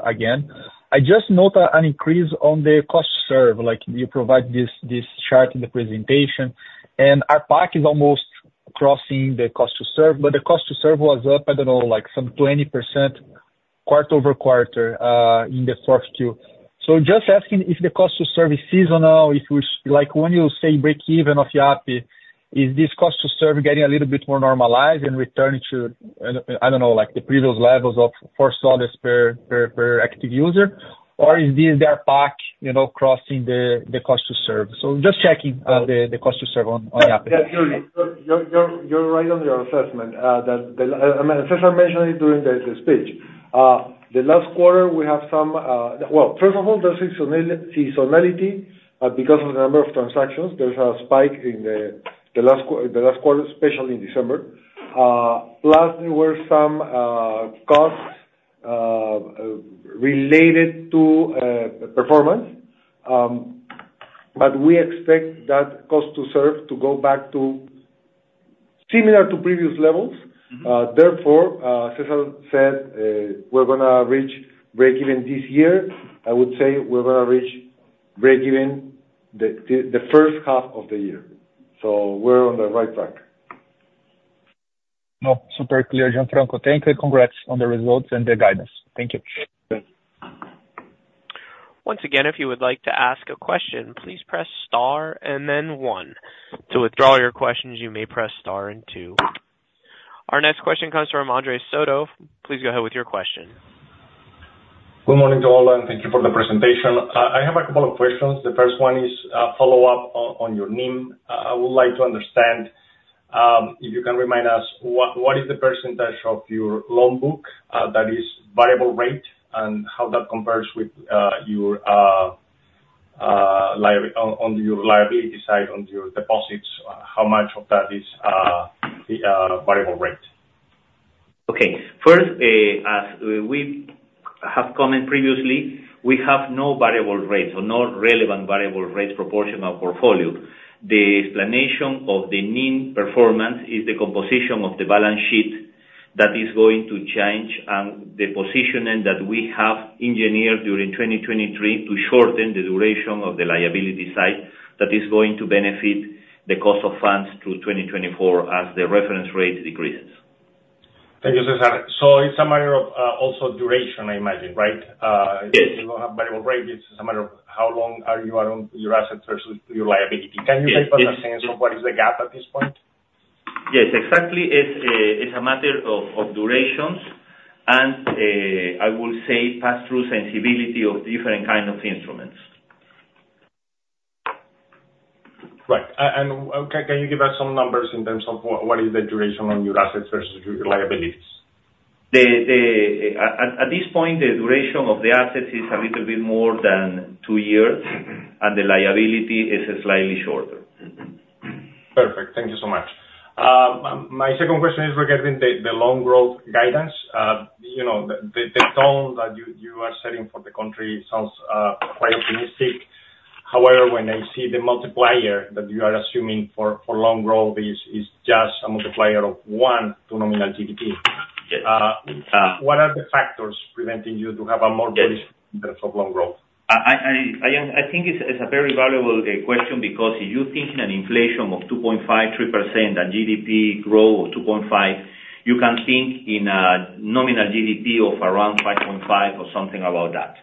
again. I just note an increase on the cost to serve, like you provide this, this chart in the presentation, and ARPAC is almost crossing the cost to serve, but the cost to serve was up, I don't know, like some 20%, quarter-over-quarter, in the 4Q. So just asking if the cost to serve is seasonal, like, when you say break even of Yape, is this cost to serve getting a little bit more normalized and returning to, I don't know, like the previous levels of PEN 4 per active user? Or is this their pack, you know, crossing the cost to serve? So just checking, the cost to serve on Yape. Yeah, Yuri, you're right on your assessment, that the, I mean, Cesar mentioned it during the speech. The last quarter, we have some. Well, first of all, there's seasonality, because of the number of transactions. There's a spike in the last quarter, especially in December. Plus, there were some costs related to performance. But we expect that cost to serve to go back to similar to previous levels. Mm-hmm. Therefore, Cesar said, we're gonna reach break even this year. I would say we're gonna reach break even the first half of the year. So we're on the right track. No, super clear, Gianfranco. Thank you, and congrats on the results and the guidance. Thank you. Thank you. Once again, if you would like to ask a question, please press star and then one. To withdraw your questions, you may press star and two. Our next question comes from Andres Soto. Please go ahead with your question. Good morning to all, and thank you for the presentation. I have a couple of questions. The first one is a follow-up on your NIM. I would like to understand if you can remind us what is the percentage of your loan book that is variable rate, and how that compares with your liability side, on your deposits, how much of that is variable rate? Okay. First, as we have commented previously, we have no variable rates or no relevant variable rates proportion of portfolio. The explanation of the NIM performance is the composition of the balance sheet that is going to change, and the positioning that we have engineered during 2023 to shorten the duration of the liability side, that is going to benefit the cost of funds through 2024 as the reference rate decreases. Thank you, Cesar. So it's a matter of also duration, I imagine, right? Yes. You don't have variable rates. It's a matter of how long are you around your assets versus your liability. Yes, yes. Can you give us a sense of what is the gap at this point? Yes, exactly. It's a matter of durations and, I will say, pass-through sensibility of different kind of instruments. Right. And can you give us some numbers in terms of what, what is the duration on your assets versus your liabilities? At this point, the duration of the assets is a little bit more than two years, and the liability is slightly shorter. Perfect. Thank you so much. My second question is regarding the loan growth guidance. You know, the tone that you are setting for the country sounds quite optimistic. However, when I see the multiplier that you are assuming for loan growth is just a multiplier of one to nominal GDP Yes. What are the factors preventing you to have a more Yes of loan growth? I think it's a very valuable question, because if you're thinking an inflation of 2.5%-3%, and GDP growth of 2.5, you can think in a nominal GDP of around 5.5 or something about that.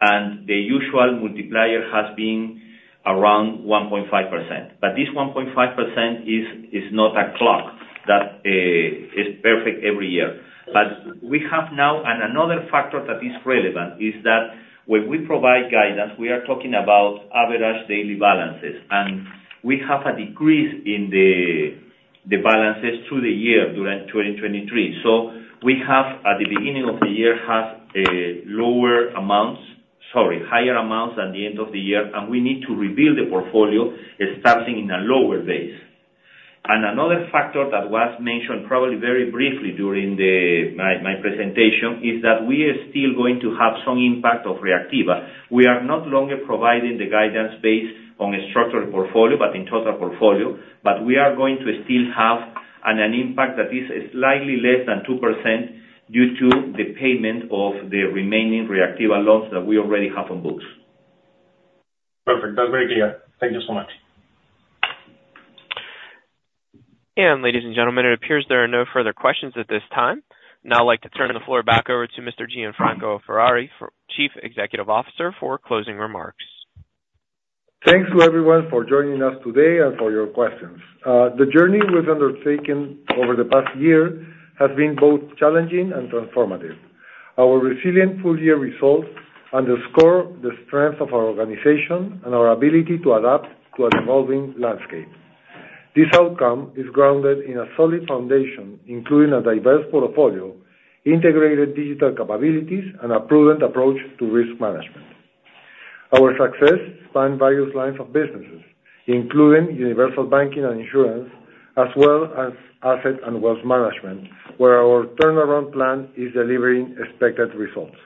And the usual multiplier has been around 1.5%, but this 1.5% is not a clock. That is perfect every year. But we have now, and another factor that is relevant, is that when we provide guidance, we are talking about average daily balances, and we have a decrease in the balances through the year during 2023. So we have, at the beginning of the year, have lower amounts, sorry, higher amounts at the end of the year, and we need to rebuild the portfolio starting in a lower base. And another factor that was mentioned, probably very briefly during my presentation, is that we are still going to have some impact of Reactiva. We are no longer providing the guidance based on a structured portfolio, but in total portfolio. But we are going to still have an impact that is slightly less than 2% due to the payment of the remaining Reactiva loans that we already have on books. Perfect. That's very clear. Thank you so much. Ladies and gentlemen, it appears there are no further questions at this time. Now, I'd like to turn the floor back over to Mr. Gianfranco Ferrari, Chief Executive Officer, for closing remarks. Thanks to everyone for joining us today and for your questions. The journey we've undertaken over the past year has been both challenging and transformative. Our resilient full year results underscore the strength of our organization and our ability to adapt to an evolving landscape. This outcome is grounded in a solid foundation, including a diverse portfolio, integrated digital capabilities, and a prudent approach to risk management. Our success spans various lines of businesses, including universal banking and insurance, as well as asset and wealth management, where our turnaround plan is delivering expected results.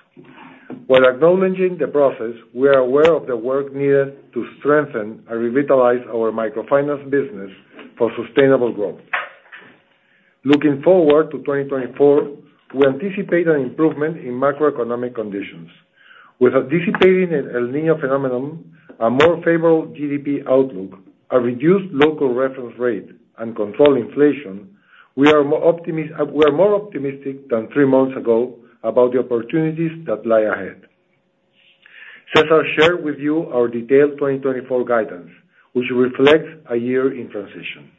While acknowledging the process, we are aware of the work needed to strengthen and revitalize our microfinance business for sustainable growth. Looking forward to 2024, we anticipate an improvement in macroeconomic conditions. With a dissipating El Niño phenomenon, a more favorable GDP outlook, a reduced local reference rate, and controlled inflation, we are more optimistic than three months ago about the opportunities that lie ahead. Cesar shared with you our detailed 2024 guidance, which reflects a year in transition.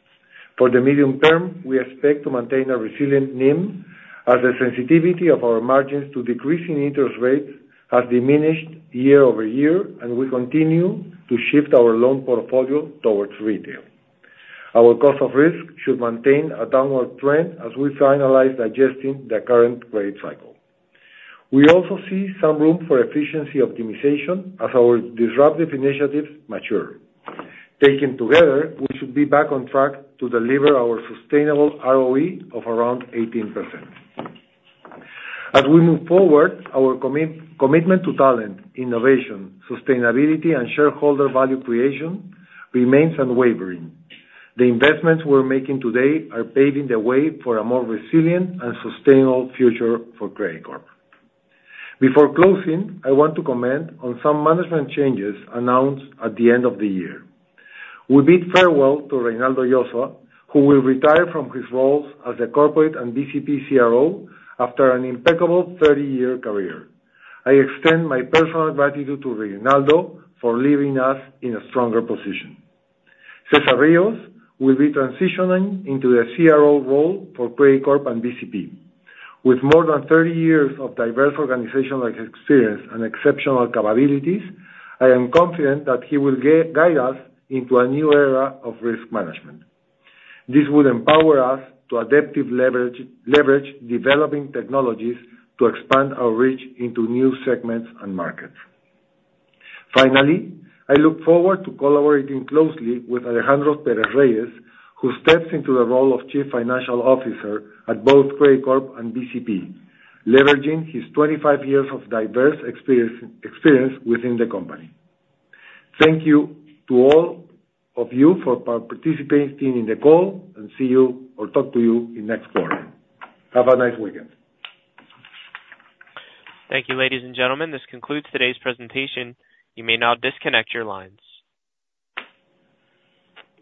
For the medium term, we expect to maintain a resilient NIM, as the sensitivity of our margins to decreasing interest rates has diminished year-over-year, and we continue to shift our loan portfolio towards retail. Our cost of risk should maintain a downward trend as we finalize digesting the current rate cycle. We also see some room for efficiency optimization as our disruptive initiatives mature. Taken together, we should be back on track to deliver our sustainable ROE of around 18%. As we move forward, our commitment to talent, innovation, sustainability, and shareholder value creation remains unwavering. The investments we're making today are paving the way for a more resilient and sustainable future for Credicorp. Before closing, I want to comment on some management changes announced at the end of the year. We bid farewell to Reynaldo Llosa, who will retire from his roles as the corporate and BCP CRO after an impeccable 30-year career. I extend my personal gratitude to Reynaldo for leaving us in a stronger position. Cesar Ríos will be transitioning into the CRO role for Credicorp and BCP. With more than 30 years of diverse organizational experience and exceptional capabilities, I am confident that he will guide us into a new era of risk management. This will empower us to adaptively leverage developing technologies to expand our reach into new segments and markets. Finally, I look forward to collaborating closely with Alejandro Perez-Reyes, who steps into the role of Chief Financial Officer at both Credicorp and BCP, leveraging his 25 years of diverse experience, experience within the company. Thank you to all of you for participating in the call, and see you or talk to you in next quarter. Have a nice weekend. Thank you, ladies and gentlemen. This concludes today's presentation. You may now disconnect your lines.